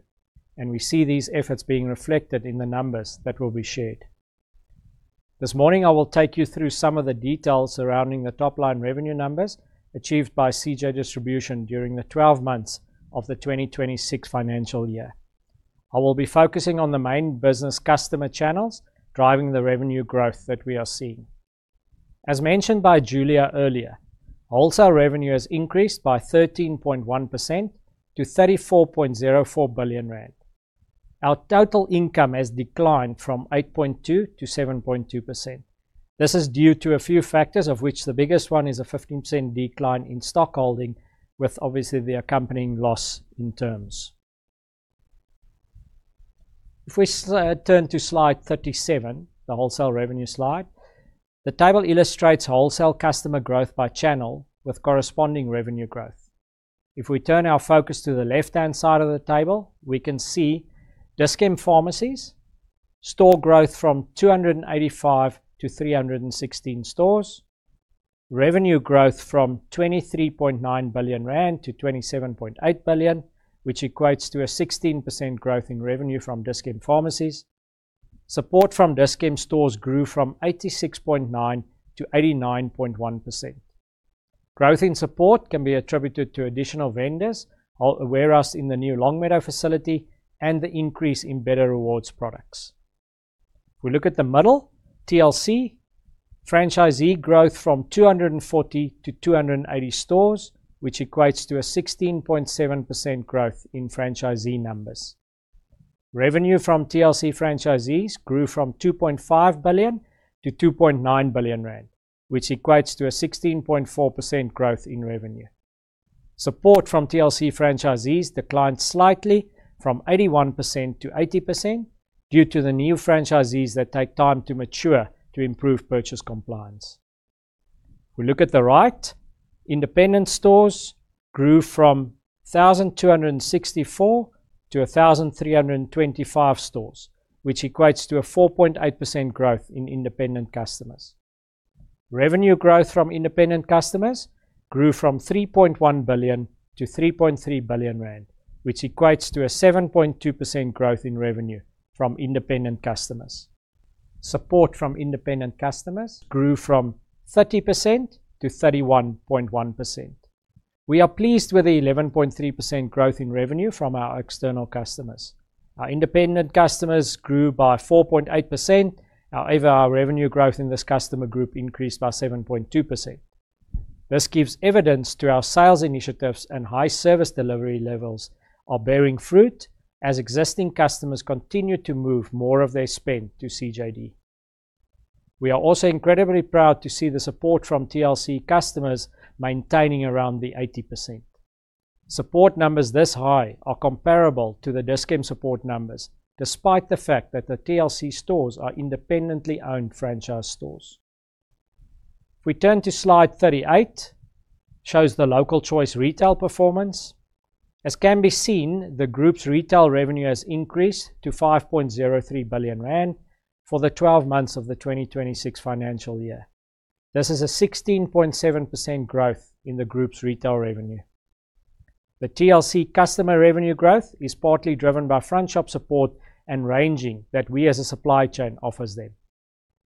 and we see these efforts being reflected in the numbers that will be shared. This morning, I will take you through some of the details surrounding the top-line revenue numbers achieved by CJ Distribution during the 12 months of the 2026 financial year. I will be focusing on the main business customer channels driving the revenue growth that we are seeing. As mentioned by Julia earlier, wholesale revenue has increased by 13.1% to 34.04 billion rand. Our total income has declined from 8.2%-7.2%. This is due to a few factors, of which the biggest one is a 15% decline in stock holding with obviously the accompanying loss in terms. If we turn to slide 37, the wholesale revenue slide, the table illustrates wholesale customer growth by channel with corresponding revenue growth. If we turn our focus to the left-hand side of the table, we can see Dis-Chem Pharmacies store growth from 285 stores-316 stores. Revenue growth from 23.9 billion-27.8 billion rand, which equates to a 16% growth in revenue from Dis-Chem Pharmacies. Support from Dis-Chem stores grew from 86.9%-89.1%. Growth in support can be attributed to additional vendors, our warehouse in the new Longmeadow facility, and the increase in Better Rewards products. We look at the middle, TLC. Franchisee growth from 240 stores-280 stores, which equates to a 16.7% growth in franchisee numbers. Revenue from TLC franchisees grew from 2.5 billion-2.9 billion rand, which equates to a 16.4% growth in revenue. Support from TLC franchisees declined slightly from 81%-80% due to the new franchisees that take time to mature to improve purchase compliance. We look at the right. Independent stores grew from 1,264 to 1,325 stores, which equates to a 4.8% growth in independent customers. Revenue growth from independent customers grew from 3.1 billion-3.3 billion rand, which equates to a 7.2% growth in revenue from independent customers. Support from independent customers grew from 30%-31.1%. We are pleased with the 11.3% growth in revenue from our external customers. Our independent customers grew by 4.8%. However, our revenue growth in this customer group increased by 7.2%. This gives evidence to our sales initiatives and high service delivery levels are bearing fruit as existing customers continue to move more of their spend to CJD. We are also incredibly proud to see the support from TLC customers maintaining around the 80%. Support numbers this high are comparable to the Dis-Chem support numbers, despite the fact that the TLC stores are independently owned franchise stores. We turn to slide 38, shows The Local Choice retail performance. As can be seen, the group's retail revenue has increased to 5.03 billion rand for the 12 months of the 2026 financial year. This is a 16.7% growth in the group's retail revenue. The TLC customer revenue growth is partly driven by front shop support and ranging that we as a supply chain offers them.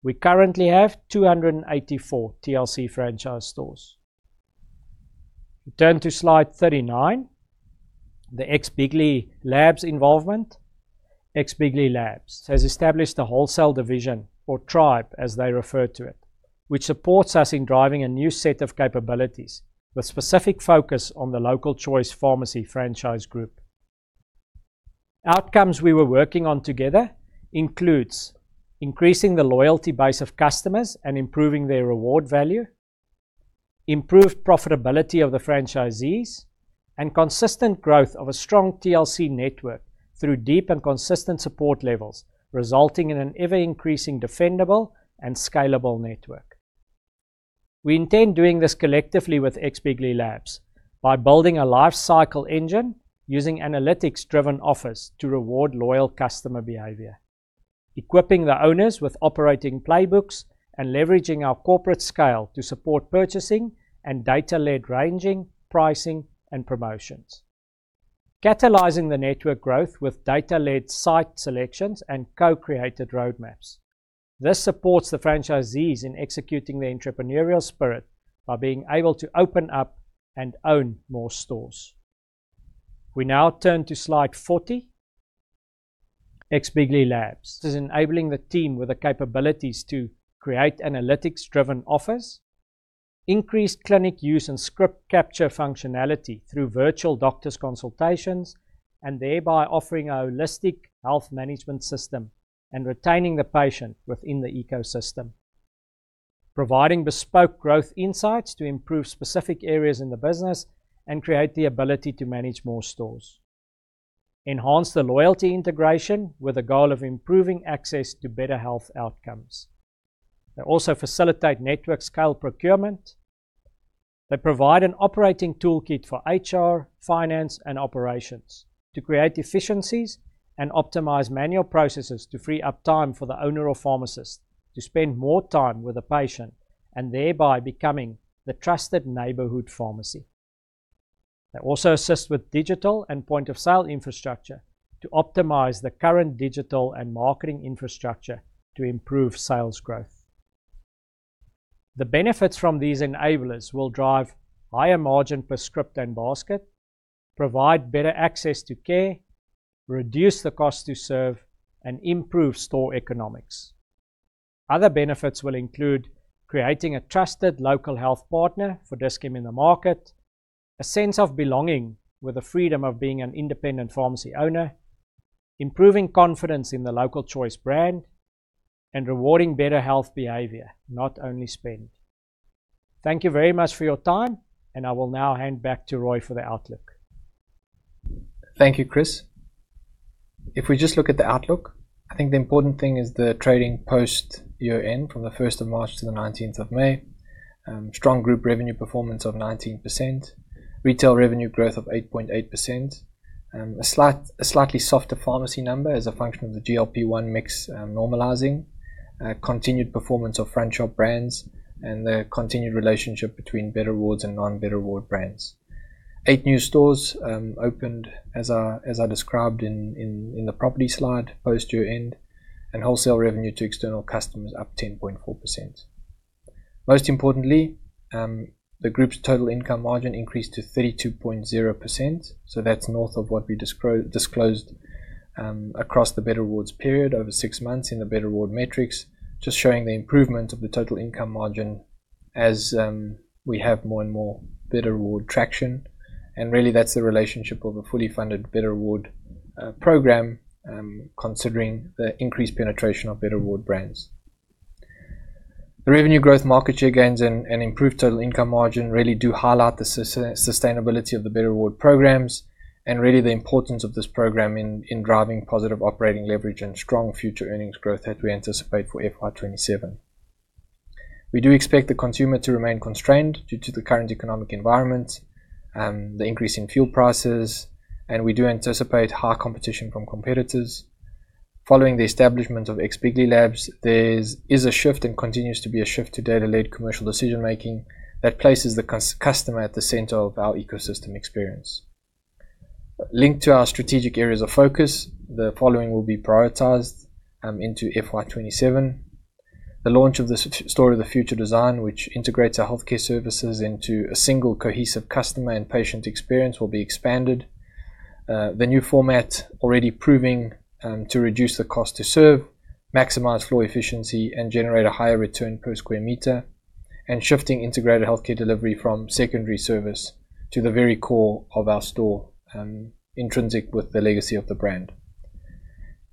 We currently have 284 TLC franchise stores. We turn to slide 39, the X, bigly labs involvement. X, bigly labs has established a wholesale division or tribe, as they refer to it, which supports us in driving a new set of capabilities with specific focus on The Local Choice pharmacy franchise group. Outcomes we were working on together includes increasing the loyalty base of customers and improving their reward value. Improved profitability of the franchisees and consistent growth of a strong TLC network through deep and consistent support levels, resulting in an ever-increasing defendable and scalable network. We intend doing this collectively with X, bigly labs by building a life cycle engine using analytics-driven offers to reward loyal customer behavior, equipping the owners with operating playbooks and leveraging our corporate scale to support purchasing and data-led ranging, pricing, and promotions. Catalyzing the network growth with data-led site selections and co-created roadmaps. This supports the franchisees in executing their entrepreneurial spirit by being able to open up and own more stores. We now turn to slide 40, X, bigly labs. This is enabling the team with the capabilities to create analytics-driven offers, increased clinic use and script capture functionality through virtual doctor's consultations, and thereby offering a holistic health management system and retaining the patient within the ecosystem, providing bespoke growth insights to improve specific areas in the business and create the ability to manage more stores, enhance the loyalty integration with the goal of improving access to better health outcomes. They also facilitate network scale procurement. They provide an operating toolkit for HR, finance, and operations to create efficiencies and optimize manual processes to free up time for the owner or pharmacist to spend more time with the patient and thereby becoming the trusted neighborhood pharmacy. They also assist with digital and point-of-sale infrastructure to optimize the current digital and marketing infrastructure to improve sales growth. The benefits from these enablers will drive higher margin per script and basket, provide better access to care, reduce the cost to serve, and improve store economics. Other benefits will include creating a trusted local health partner for Dis-Chem in the market, a sense of belonging with the freedom of being an independent pharmacy owner, improving confidence in The Local Choice brand, and rewarding better health behavior, not only spend. Thank you very much for your time, and I will now hand back to Rui for the outlook. Thank you, Chris. If we just look at the outlook, I think the important thing is the trading post year end from the March 1st-May 19th. Strong group revenue performance of 19%, retail revenue growth of 8.8%, a slightly softer pharmacy number as a function of the GLP-1 mix normalizing, continued performance of front shop brands, and the continued relationship between Better Rewards and non-Better Reward brands. Eight new stores opened as I described in the property slide post year end, and wholesale revenue to external customers up 10.4%. Most importantly, the group's total income margin increased to 32.0%. That's north of what we disclosed across the Better Rewards period over six months in the Better Reward metrics, just showing the improvement of the total income margin as we have more and more Better Reward traction. Really, that's the relationship of a fully funded Better Rewards program, considering the increased penetration of Better Rewards brands. The revenue growth market share gains and improved total income margin really do highlight the sustainability of the Better Rewards programs and really the importance of this program in driving positive operating leverage and strong future earnings growth that we anticipate for fiscal year 2027. We do expect the consumer to remain constrained due to the current economic environment, the increase in fuel prices, and we do anticipate high competition from competitors. Following the establishment of X, bigly labs, there is a shift and continues to be a shift to data-led commercial decision-making that places the customer at the center of our ecosystem experience. Linked to our strategic areas of focus, the following will be prioritized into fiscal year 2027. The launch of the Store of the Future design, which integrates our healthcare services into a single cohesive customer and patient experience will be expanded. The new format already proving to reduce the cost to serve, maximize floor efficiency, and generate a higher return per sq m, and shifting integrated healthcare delivery from secondary service to the very core of our store, intrinsic with the legacy of the brand.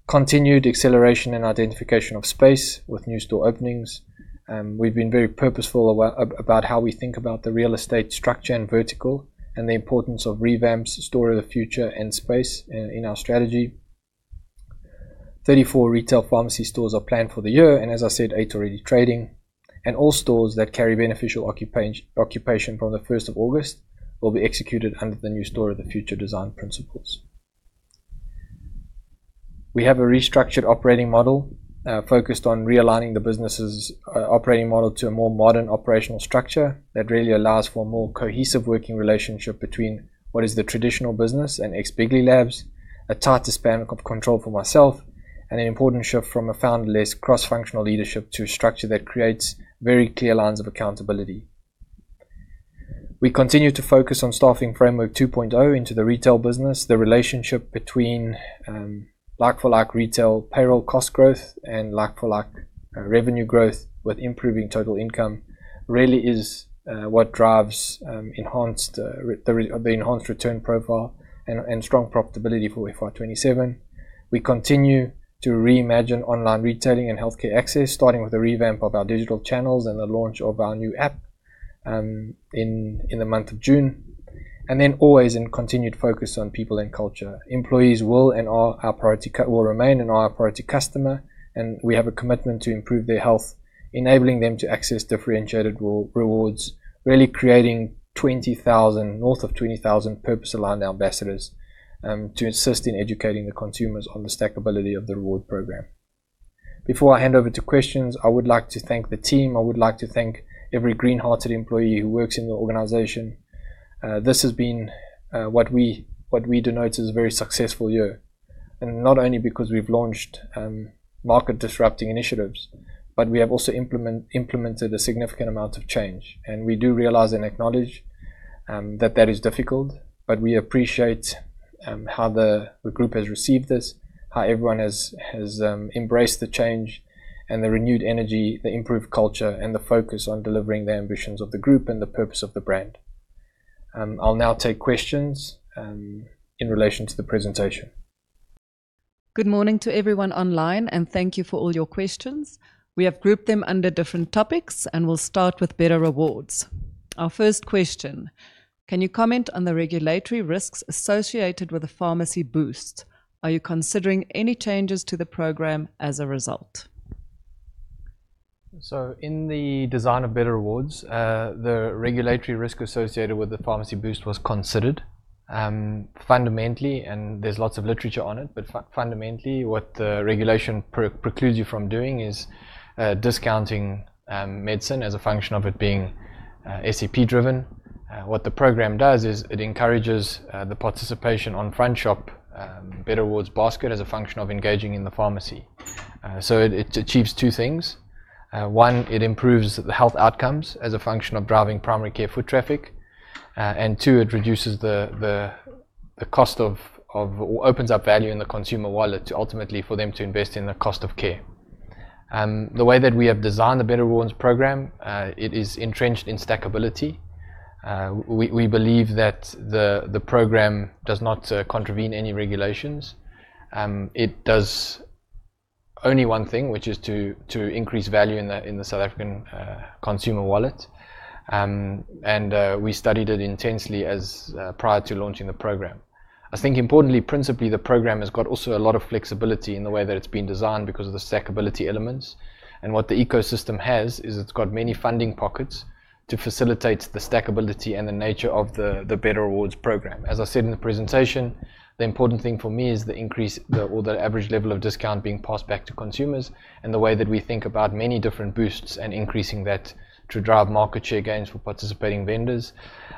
Continued acceleration and identification of space with new store openings. We've been very purposeful about how we think about the real estate structure and vertical and the importance of revamps, Store of the Future, and space in our strategy. 34 retail pharmacy stores are planned for the year, and as I said, eight already trading. All stores that carry beneficial occupation from the August 1st will be executed under the new Store of the Future design principles. We have a restructured operating model focused on realigning the business' operating model to a more modern operational structure that really allows for a more cohesive working relationship between what is the traditional business and X, bigly labs, a tighter span of control for myself, and an important shift from a founder-less cross-functional leadership to a structure that creates very clear lines of accountability. We continue to focus on Staffing Framework 2.0 into the retail business. The relationship between like-for-like retail payroll cost growth and like-for-like revenue growth with improving total income really is what drives the enhanced return profile and strong profitability for fiscal year 2027. We continue to reimagine online retailing and healthcare access, starting with a revamp of our digital channels and the launch of our new app in the month of June. Then always a continued focus on people and culture. Employees will remain and are our priority customer, and we have a commitment to improve their health, enabling them to access differentiated rewards, really creating north of 20,000 purpose-aligned ambassadors to assist in educating the consumers on the stackability of the reward program. Before I hand over to questions, I would like to thank the team. I would like to thank every green-hearted employee who works in the organization. This has been what we denote as a very successful year, not only because we've launched market-disrupting initiatives, but we have also implemented a significant amount of change. We do realize and acknowledge that that is difficult, but we appreciate how the group has received this, how everyone has embraced the change and the renewed energy, the improved culture, and the focus on delivering the ambitions of the group and the purpose of the brand. I'll now take questions in relation to the presentation. Good morning to everyone online, and thank you for all your questions. We have grouped them under different topics, and we'll start with Better Rewards. Our first question: can you comment on the regulatory risks associated with the Pharmacy Boost? Are you considering any changes to the program as a result? In the design of Better Rewards, the regulatory risk associated with the Pharmacy Boost was considered. Fundamentally, and there's lots of literature on it, but fundamentally what the regulation precludes you from doing is discounting medicine as a function of it being SEP-driven. What the program does is it encourages the participation on front shop Better Rewards basket as a function of engaging in the pharmacy. It achieves two things. One, it improves the health outcomes as a function of driving primary care foot traffic. Two, it opens up value in the consumer wallet ultimately for them to invest in the cost of care. The way that we have designed the Better Rewards program it is entrenched in stackability. We believe that the program does not contravene any regulations. It does only one thing, which is to increase value in the South African consumer wallet. We studied it intensely as prior to launching the program. I think importantly, principally, the program has got also a lot of flexibility in the way that it's been designed because of the stackability elements. What the ecosystem has is it's got many funding pockets to facilitate the stackability and the nature of the Better Rewards program. As I said in the presentation, the important thing for me is the average level of discount being passed back to consumers and the way that we think about many different boosts and increasing that to drive market share gains for participating vendors,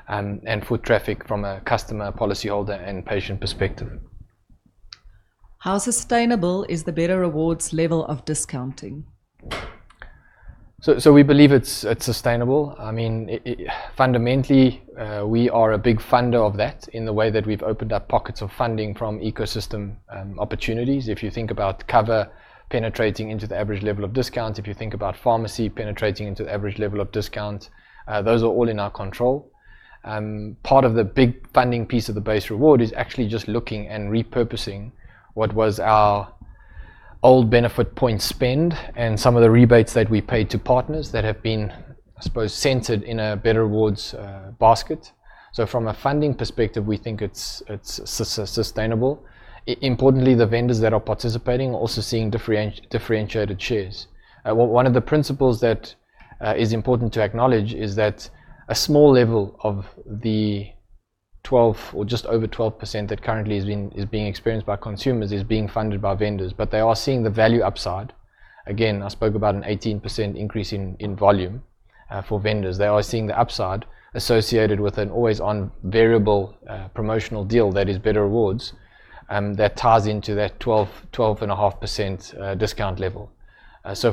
and foot traffic from a customer, policyholder, and patient perspective. How sustainable is the Better Rewards level of discounting? We believe it's sustainable. Fundamentally, we are a big funder of that in the way that we've opened up pockets of funding from ecosystem opportunities. If you think about cover penetrating into the average level of discount, if you think about pharmacy penetrating into the average level of discount, those are all in our control. Part of the big funding piece of the base reward is actually just looking and repurposing what was our old Benefit Point spend and some of the rebates that we paid to partners that have been centered in a Better Rewards basket. From a funding perspective, we think it's sustainable. Importantly, the vendors that are participating are also seeing differentiated shares. One of the principles that is important to acknowledge is that a small level of the 12% or just over 12% that currently is being experienced by consumers is being funded by vendors. They are seeing the value upside. Again, I spoke about an 18% increase in volume for vendors. They are seeing the upside associated with an always-on variable promotional deal that is Better Rewards, that ties into that 12.5% discount level.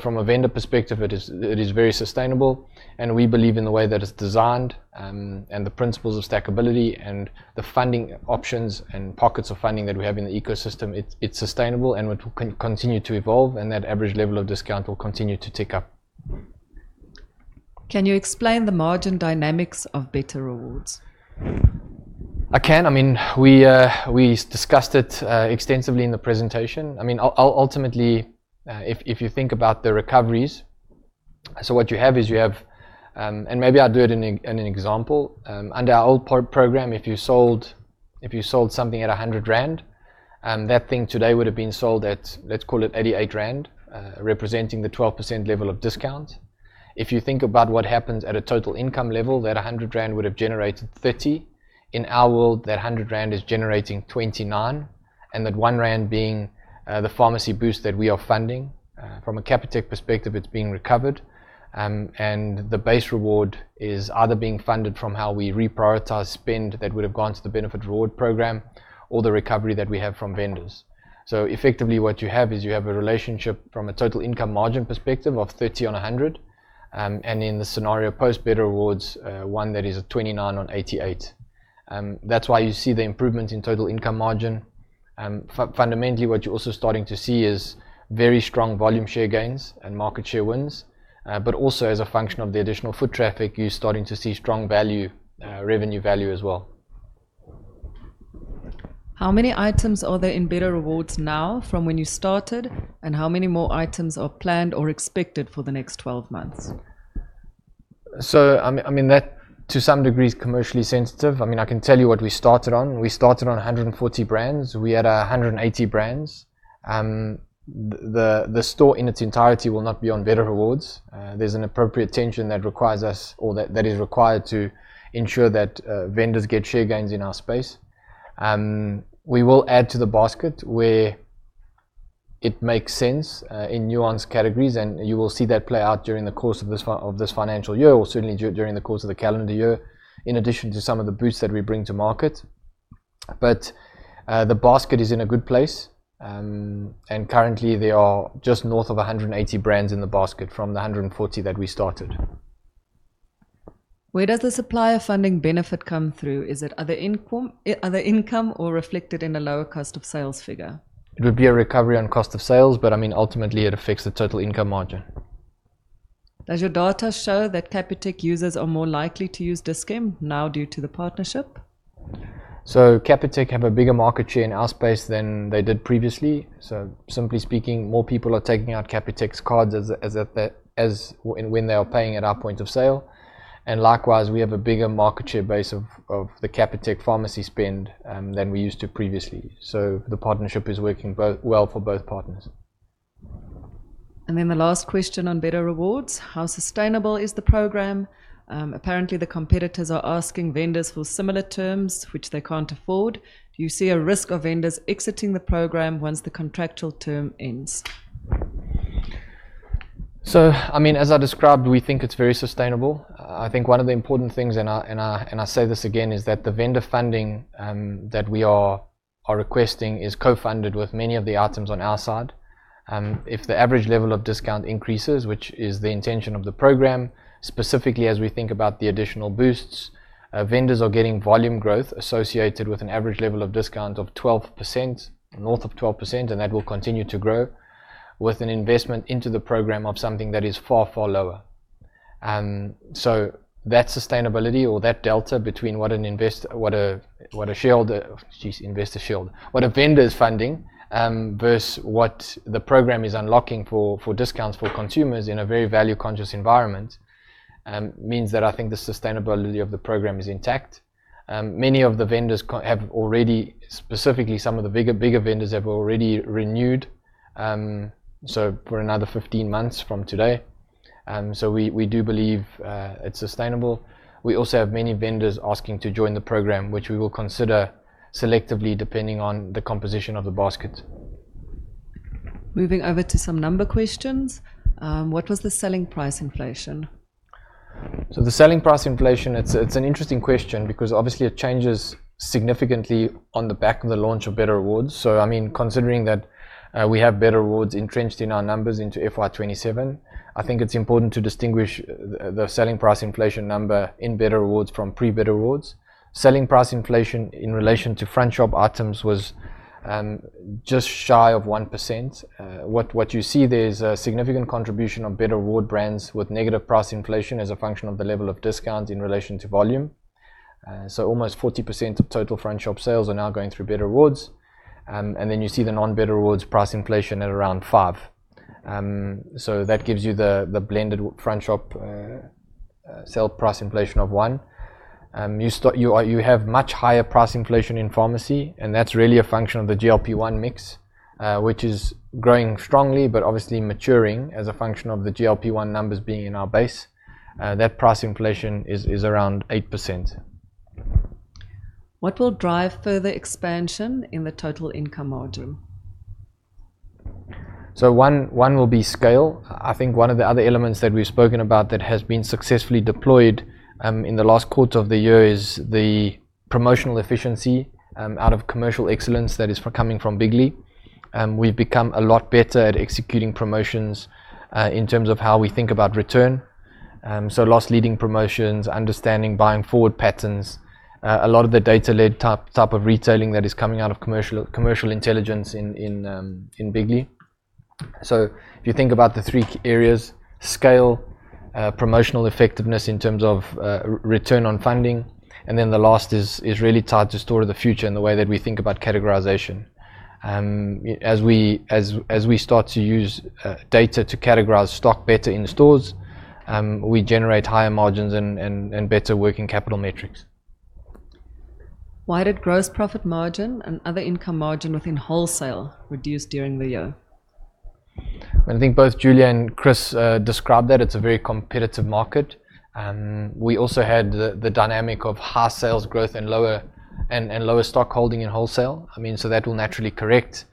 From a vendor perspective, it is very sustainable, and we believe in the way that it's designed and the principles of stackability and the funding options and pockets of funding that we have in the ecosystem. It's sustainable and will continue to evolve, and that average level of discount will continue to tick up. Can you explain the margin dynamics of Better Rewards? I can. We discussed it extensively in the presentation. Ultimately, if you think about the recoveries, what you have is maybe I'll do it in an example. Under our old program, if you sold something at 100 rand, that thing today would've been sold at, let's call it 88 rand, representing the 12% level of discount. If you think about what happens at a total income level, that 100 rand would've generated 30. In our world, that 100 rand is generating 29, and that 1 rand being the Pharmacy Boost that we are funding. From a Capitec perspective, it's being recovered. The base reward is either being funded from how we reprioritize spend that would've gone to the Benefit Reward Program or the recovery that we have from vendors. Effectively what you have is a relationship from a total income margin perspective of 30 on 100, and in the scenario post Better Rewards, one that is a 29 on 88. That's why you see the improvement in total income margin. Fundamentally, what you're also starting to see is very strong volume share gains and market share wins. Also as a function of the additional foot traffic, you're starting to see strong revenue value as well. How many items are there in Better Rewards now from when you started? How many more items are planned or expected for the next 12 months? That to some degree is commercially sensitive. I can tell you what we started on. We started on 140 brands. We had 180 brands. The store in its entirety will not be on Better Rewards. There is an appropriate tension that is required to ensure that vendors get share gains in our space. We will add to the basket where it makes sense in nuanced categories, and you will see that play out during the course of this financial year or certainly during the course of the calendar year, in addition to some of the boosts that we bring to market. The basket is in a good place. Currently, there are just north of 180 brands in the basket from the 140 brands that we started. Where does the supplier funding benefit come through? Is it other income, or reflected in a lower cost of sales figure? It would be a recovery on cost of sales, but ultimately it affects the total income margin. Does your data show that Capitec users are more likely to use Dis-Chem now due to the partnership? Capitec have a bigger market share in our space than they did previously. Simply speaking, more people are taking out Capitec's cards when they are paying at our point of sale. Likewise, we have a bigger market share base of the Capitec pharmacy spend, than we used to previously. The partnership is working well for both partners. The last question on Better Rewards. How sustainable is the program? Apparently, the competitors are asking vendors for similar terms which they can't afford. Do you see a risk of vendors exiting the program once the contractual term ends? As I described, we think it's very sustainable. I think one of the important things, and I say this again, is that the vendor funding that we are requesting is co-funded with many of the items on our side. If the average level of discount increases, which is the intention of the program, specifically as we think about the additional boosts, vendors are getting volume growth associated with an average level of discount of north of 12%, and that will continue to grow, with an investment into the program of something that is far, far lower. That sustainability or that delta between what a vendor is funding, versus what the program is unlocking for discounts for consumers in a very value-conscious environment, means that I think the sustainability of the program is intact. Many of the vendors have already, specifically some of the bigger vendors, have already renewed, for another 15 months from today. We do believe it's sustainable. We also have many vendors asking to join the program, which we will consider selectively depending on the composition of the basket. Moving over to some number questions. What was the selling price inflation? The selling price inflation, it's an interesting question because obviously it changes significantly on the back of the launch of Better Rewards. Considering that we have Better Rewards entrenched in our numbers into fiscal year 2027, I think it's important to distinguish the selling price inflation number in Better Rewards from pre-Better Rewards. Selling price inflation in relation to front shop items was just shy of 1%. What you see there is a significant contribution on Better Reward brands with negative price inflation as a function of the level of discount in relation to volume. Almost 40% of total front shop sales are now going through Better Rewards. You see the non-Better Rewards price inflation at around five. That gives you the blended front shop sell price inflation of one. You have much higher price inflation in pharmacy, and that's really a function of the GLP-1 mix, which is growing strongly, but obviously maturing as a function of the GLP-1 numbers being in our base. That price inflation is around 8%. What will drive further expansion in the total income margin? One will be scale. I think one of the other elements that we've spoken about that has been successfully deployed in the last quarter of the year is the promotional efficiency out of commercial excellence that is coming from X, bigly. We've become a lot better at executing promotions, in terms of how we think about return. Loss leading promotions, understanding buying forward patterns, a lot of the data-led type of retailing that is coming out of commercial intelligence in X, bigly. If you think about the three key areas, scale, promotional effectiveness in terms of return on funding. The last is really tied to Store of the Future and the way that we think about categorization. As we start to use data to categorize stock better in stores, we generate higher margins and better working capital metrics. Why did gross profit margin and other income margin within wholesale reduce during the year? I think both Julia and Chris described that it's a very competitive market. We also had the dynamic of high sales growth and lower stock holding in wholesale. That will naturally correct.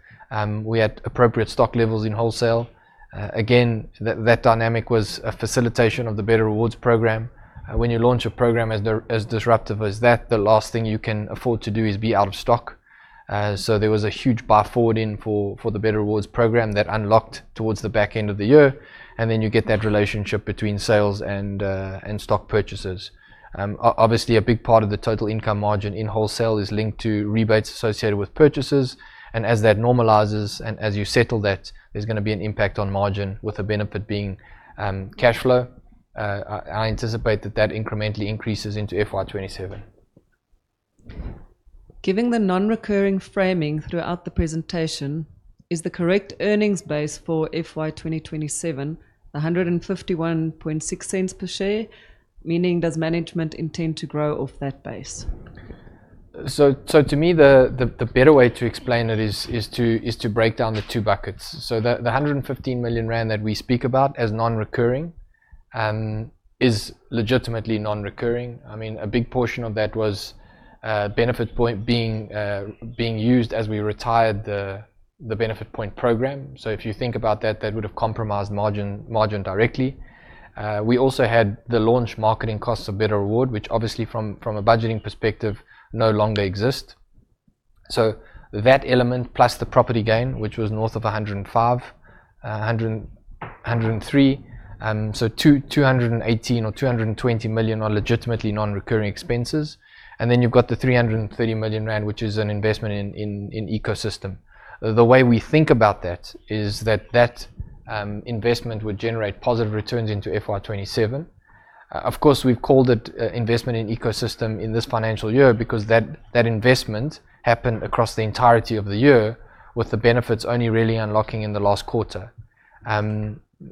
We had appropriate stock levels in wholesale. Again, that dynamic was a facilitation of the Better Rewards program. When you launch a program as disruptive as that, the last thing you can afford to do is be out of stock. There was a huge buy forward in for the Better Rewards program that unlocked towards the back end of the year, and then you get that relationship between sales and stock purchases. Obviously, a big part of the total income margin in wholesale is linked to rebates associated with purchases, and as that normalizes and as you settle that, there's going to be an impact on margin with the benefit being cash flow I anticipate that that incrementally increases into fiscal year 2027. Given the non-recurring framing throughout the presentation, is the correct earnings base for fiscal year2027 ZAR 1.516 per share? Meaning, does management intend to grow off that base? To me, the better way to explain it is to break down the two buckets. The 115 million rand that we speak about as non-recurring, is legitimately non-recurring. A big portion of that was Benefit Point being used as we retired the Benefit Point program. If you think about that would've compromised margin directly. We also had the launch marketing costs of Better Rewards, which obviously from a budgeting perspective, no longer exist. That element plus the property gain, which was north of 105 million, 103 million. 218 million or 220 million are legitimately non-recurring expenses. Then you've got the 330 million rand, which is an investment in ecosystem. The way we think about that is that that investment would generate positive returns into fiscal year 2027. Of course, we've called it investment in ecosystem in this financial year because that investment happened across the entirety of the year with the benefits only really unlocking in the last quarter.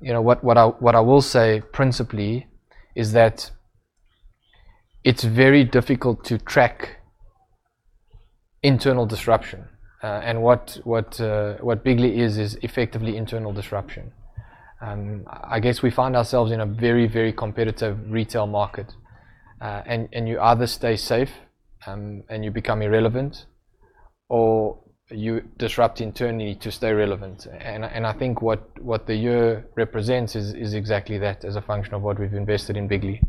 What I will say principally, is that it's very difficult to track internal disruption. What Bigly is effectively internal disruption. I guess we find ourselves in a very, very competitive retail market. You either stay safe, and you become irrelevant, or you disrupt internally to stay relevant. I think what the year represents is exactly that as a function of what we've invested in Bigly.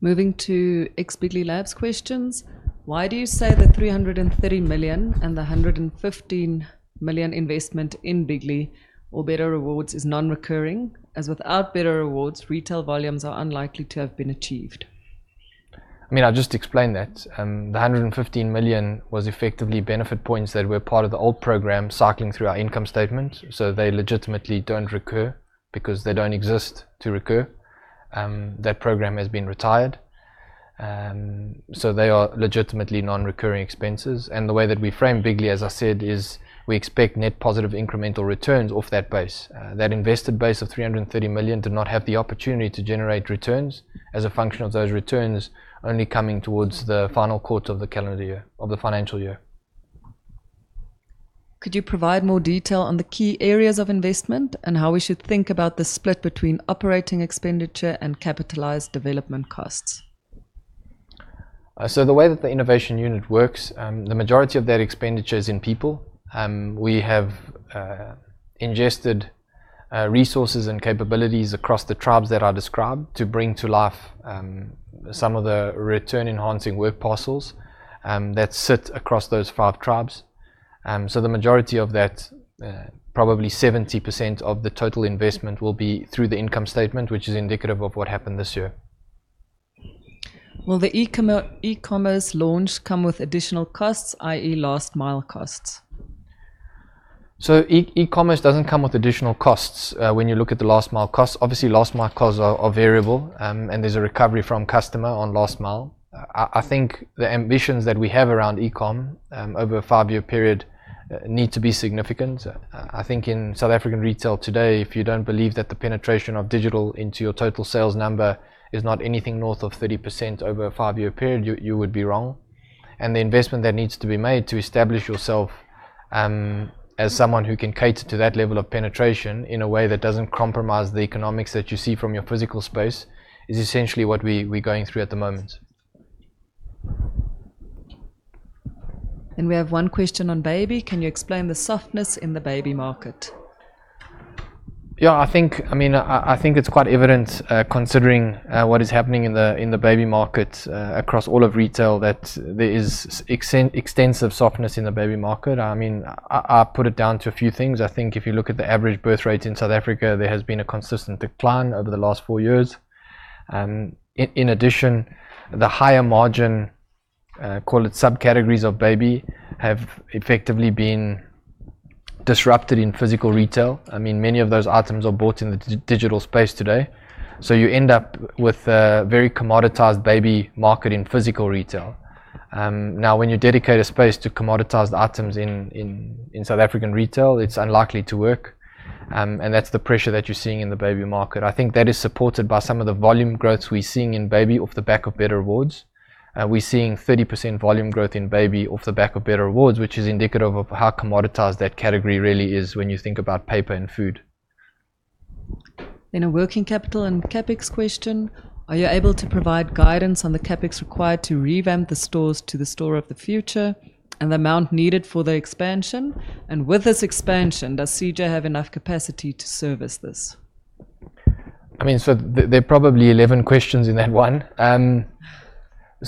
Moving to ex-Bigly Labs questions. Why do you say the 330 million and the 115 million investment in Bigly or Better Rewards is non-recurring? As without Better Rewards, retail volumes are unlikely to have been achieved. I just explained that. The 115 million was effectively Benefit Point that were part of the old program cycling through our income statement, so they legitimately don't recur because they don't exist to recur. That program has been retired. They are legitimately non-recurring expenses. The way that we frame Bigly, as I said, is we expect net positive incremental returns off that base. That invested base of 330 million did not have the opportunity to generate returns as a function of those returns only coming towards the final quarter of the financial year. Could you provide more detail on the key areas of investment and how we should think about the split between operating expenditure and capitalized development costs? The way that the innovation unit works, the majority of that expenditure is in people. We have ingested resources and capabilities across the tribes that I described to bring to life some of the return-enhancing work parcels that sit across those five tribes. The majority of that, probably 70% of the total investment will be through the income statement, which is indicative of what happened this year. Will the e-commerce launch come with additional costs, i.e., last mile costs? e-commerce doesn't come with additional costs. When you look at the last mile costs, obviously last mile costs are variable. There's a recovery from customer on last mile. I think the ambitions that we have around e-commerce, over a five-year period, need to be significant. I think in South African retail today, if you don't believe that the penetration of digital into your total sales number is not anything north of 30% over a five-year period, you would be wrong. The investment that needs to be made to establish yourself, as someone who can cater to that level of penetration in a way that doesn't compromise the economics that you see from your physical space is essentially what we are going through at the moment. We have one question on baby. Can you explain the softness in the baby market? I think it's quite evident, considering what is happening in the baby market, across all of retail, that there is extensive softness in the baby market. I put it down to a few things. I think if you look at the average birth rate in South Africa, there has been a consistent decline over the last four years. In addition, the higher margin, call it subcategories of baby, have effectively been disrupted in physical retail. Many of those items are bought in the digital space today. You end up with a very commoditized baby market in physical retail. When you dedicate a space to commoditize items in South African retail, it's unlikely to work. That's the pressure that you're seeing in the baby market. I think that is supported by some of the volume growths we're seeing in baby off the back of Better Rewards. We're seeing 30% volume growth in baby off the back of Better Rewards, which is indicative of how commoditized that category really is when you think about paper and food. A working capital and CapEx question. Are you able to provide guidance on the CapEx required to revamp the stores to the Store of the Future, and the amount needed for the expansion? With this expansion, does CJ have enough capacity to service this? There are probably 11 questions in that one.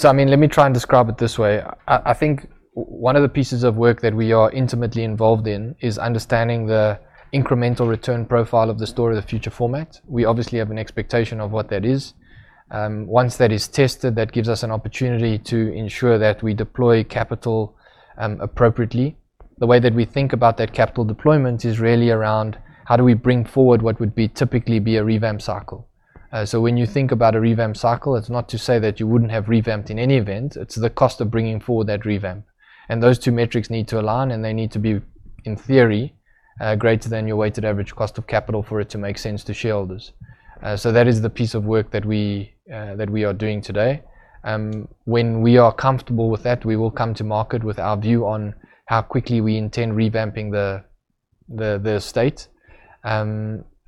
Let me try and describe it this way. I think one of the pieces of work that we are intimately involved in is understanding the incremental return profile of the Store of the Future format. We obviously have an expectation of what that is. Once that is tested, that gives us an opportunity to ensure that we deploy capital appropriately. The way that we think about that capital deployment is really around how do we bring forward what would typically be a revamp cycle? When you think about a revamp cycle, it's not to say that you wouldn't have revamped in any event. It's the cost of bringing forward that revamp. Those two metrics need to align, and they need to be, in theory, greater than your weighted average cost of capital for it to make sense to shareholders. That is the piece of work that we are doing today. When we are comfortable with that, we will come to market with our view on how quickly we intend revamping the state.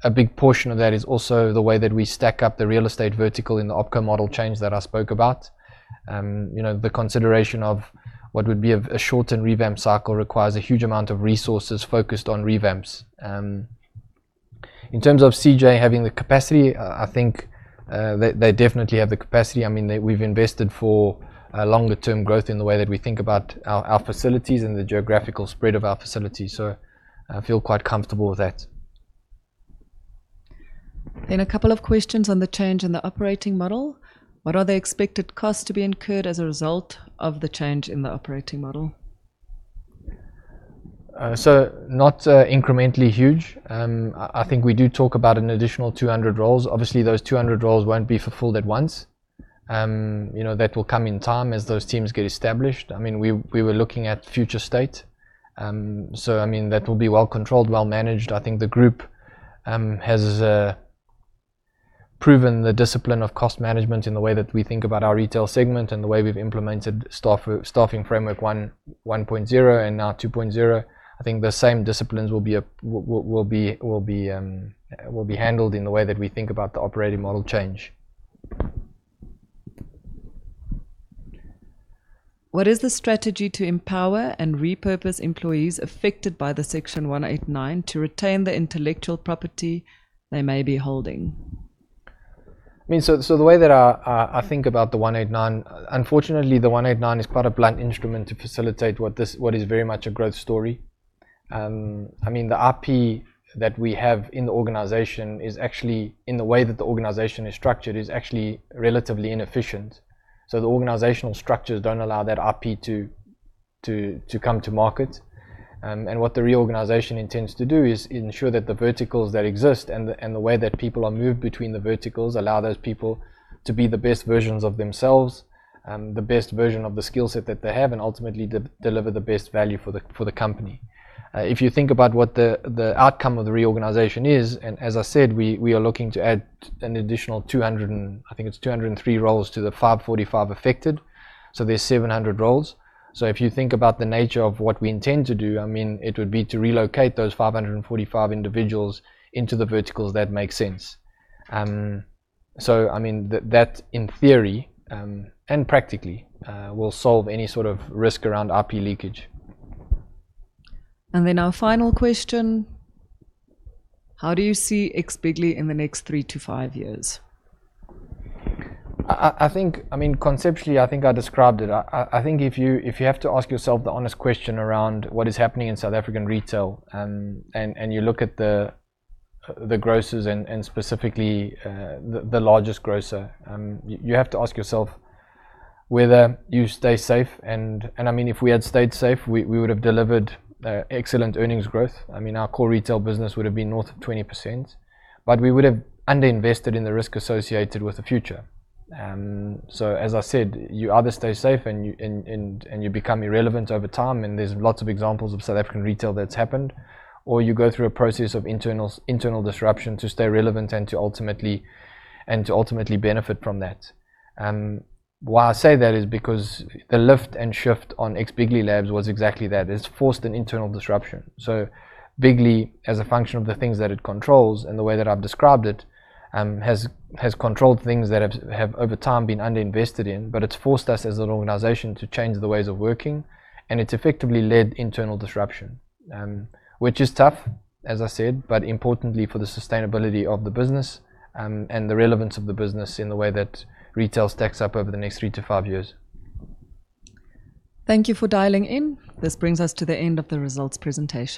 A big portion of that is also the way that we stack up the real estate vertical in the OpCo model change that I spoke about. The consideration of what would be a shortened revamp cycle requires a huge amount of resources focused on revamps. In terms of CJ having the capacity, I think they definitely have the capacity. We've invested for longer term growth in the way that we think about our facilities and the geographical spread of our facilities, I feel quite comfortable with that. A couple of questions on the change in the operating model. What are the expected costs to be incurred as a result of the change in the operating model? Not incrementally huge. I think we do talk about an additional 200 roles. Obviously, those 200 roles won't be fulfilled at once. That will come in time as those teams get established. We were looking at future state. That will be well controlled, well managed. I think the group has proven the discipline of cost management in the way that we think about our retail segment and the way we've implemented Staffing Framework 1.0 and now Framework 2.0. I think the same disciplines will be handled in the way that we think about the operating model change. What is the strategy to empower and repurpose employees affected by the Section 189 to retain the intellectual property they may be holding? The way that I think about the Section 189, unfortunately, the Section 189 is quite a blunt instrument to facilitate what is very much a growth story. The IP that we have in the organization is actually, in the way that the organization is structured, is actually relatively inefficient. The organizational structures don't allow that IP to come to market. What the reorganization intends to do is ensure that the verticals that exist and the way that people are moved between the verticals allow those people to be the best versions of themselves, the best version of the skill set that they have, and ultimately, deliver the best value for the company. If you think about what the outcome of the reorganization is, and as I said, we are looking to add an additional 200, and I think it's 203 roles to the 545 affected, so there's 700 roles. If you think about the nature of what we intend to do, it would be to relocate those 545 individuals into the verticals that make sense. That, in theory, and practically, will solve any sort of risk around IP leakage. Our final question, how do you see X, bigly in the next three to five years? Conceptually, I described it. If you have to ask yourself the honest question around what is happening in South African retail, and you look at the grocers and specifically, the largest grocer, you have to ask yourself whether you stay safe. If we had stayed safe, we would have delivered excellent earnings growth. Our core retail business would have been north of 20%, but we would have under-invested in the risk associated with the future. As I said, you either stay safe and you become irrelevant over time, and there's lots of examples of South African retail that's happened, or you go through a process of internal disruption to stay relevant and to ultimately benefit from that. Why I say that is because the lift and shift on X, bigly labs was exactly that. It's forced an internal disruption. X, bigly, as a function of the things that it controls and the way that I've described it, has controlled things that have, over time, been under-invested in, but it's forced us as an organization to change the ways of working, and it's effectively led internal disruption. Which is tough, as I said, but importantly for the sustainability of the business, and the relevance of the business in the way that retail stacks up over the next three to five years. Thank you for dialing in. This brings us to the end of the results presentation.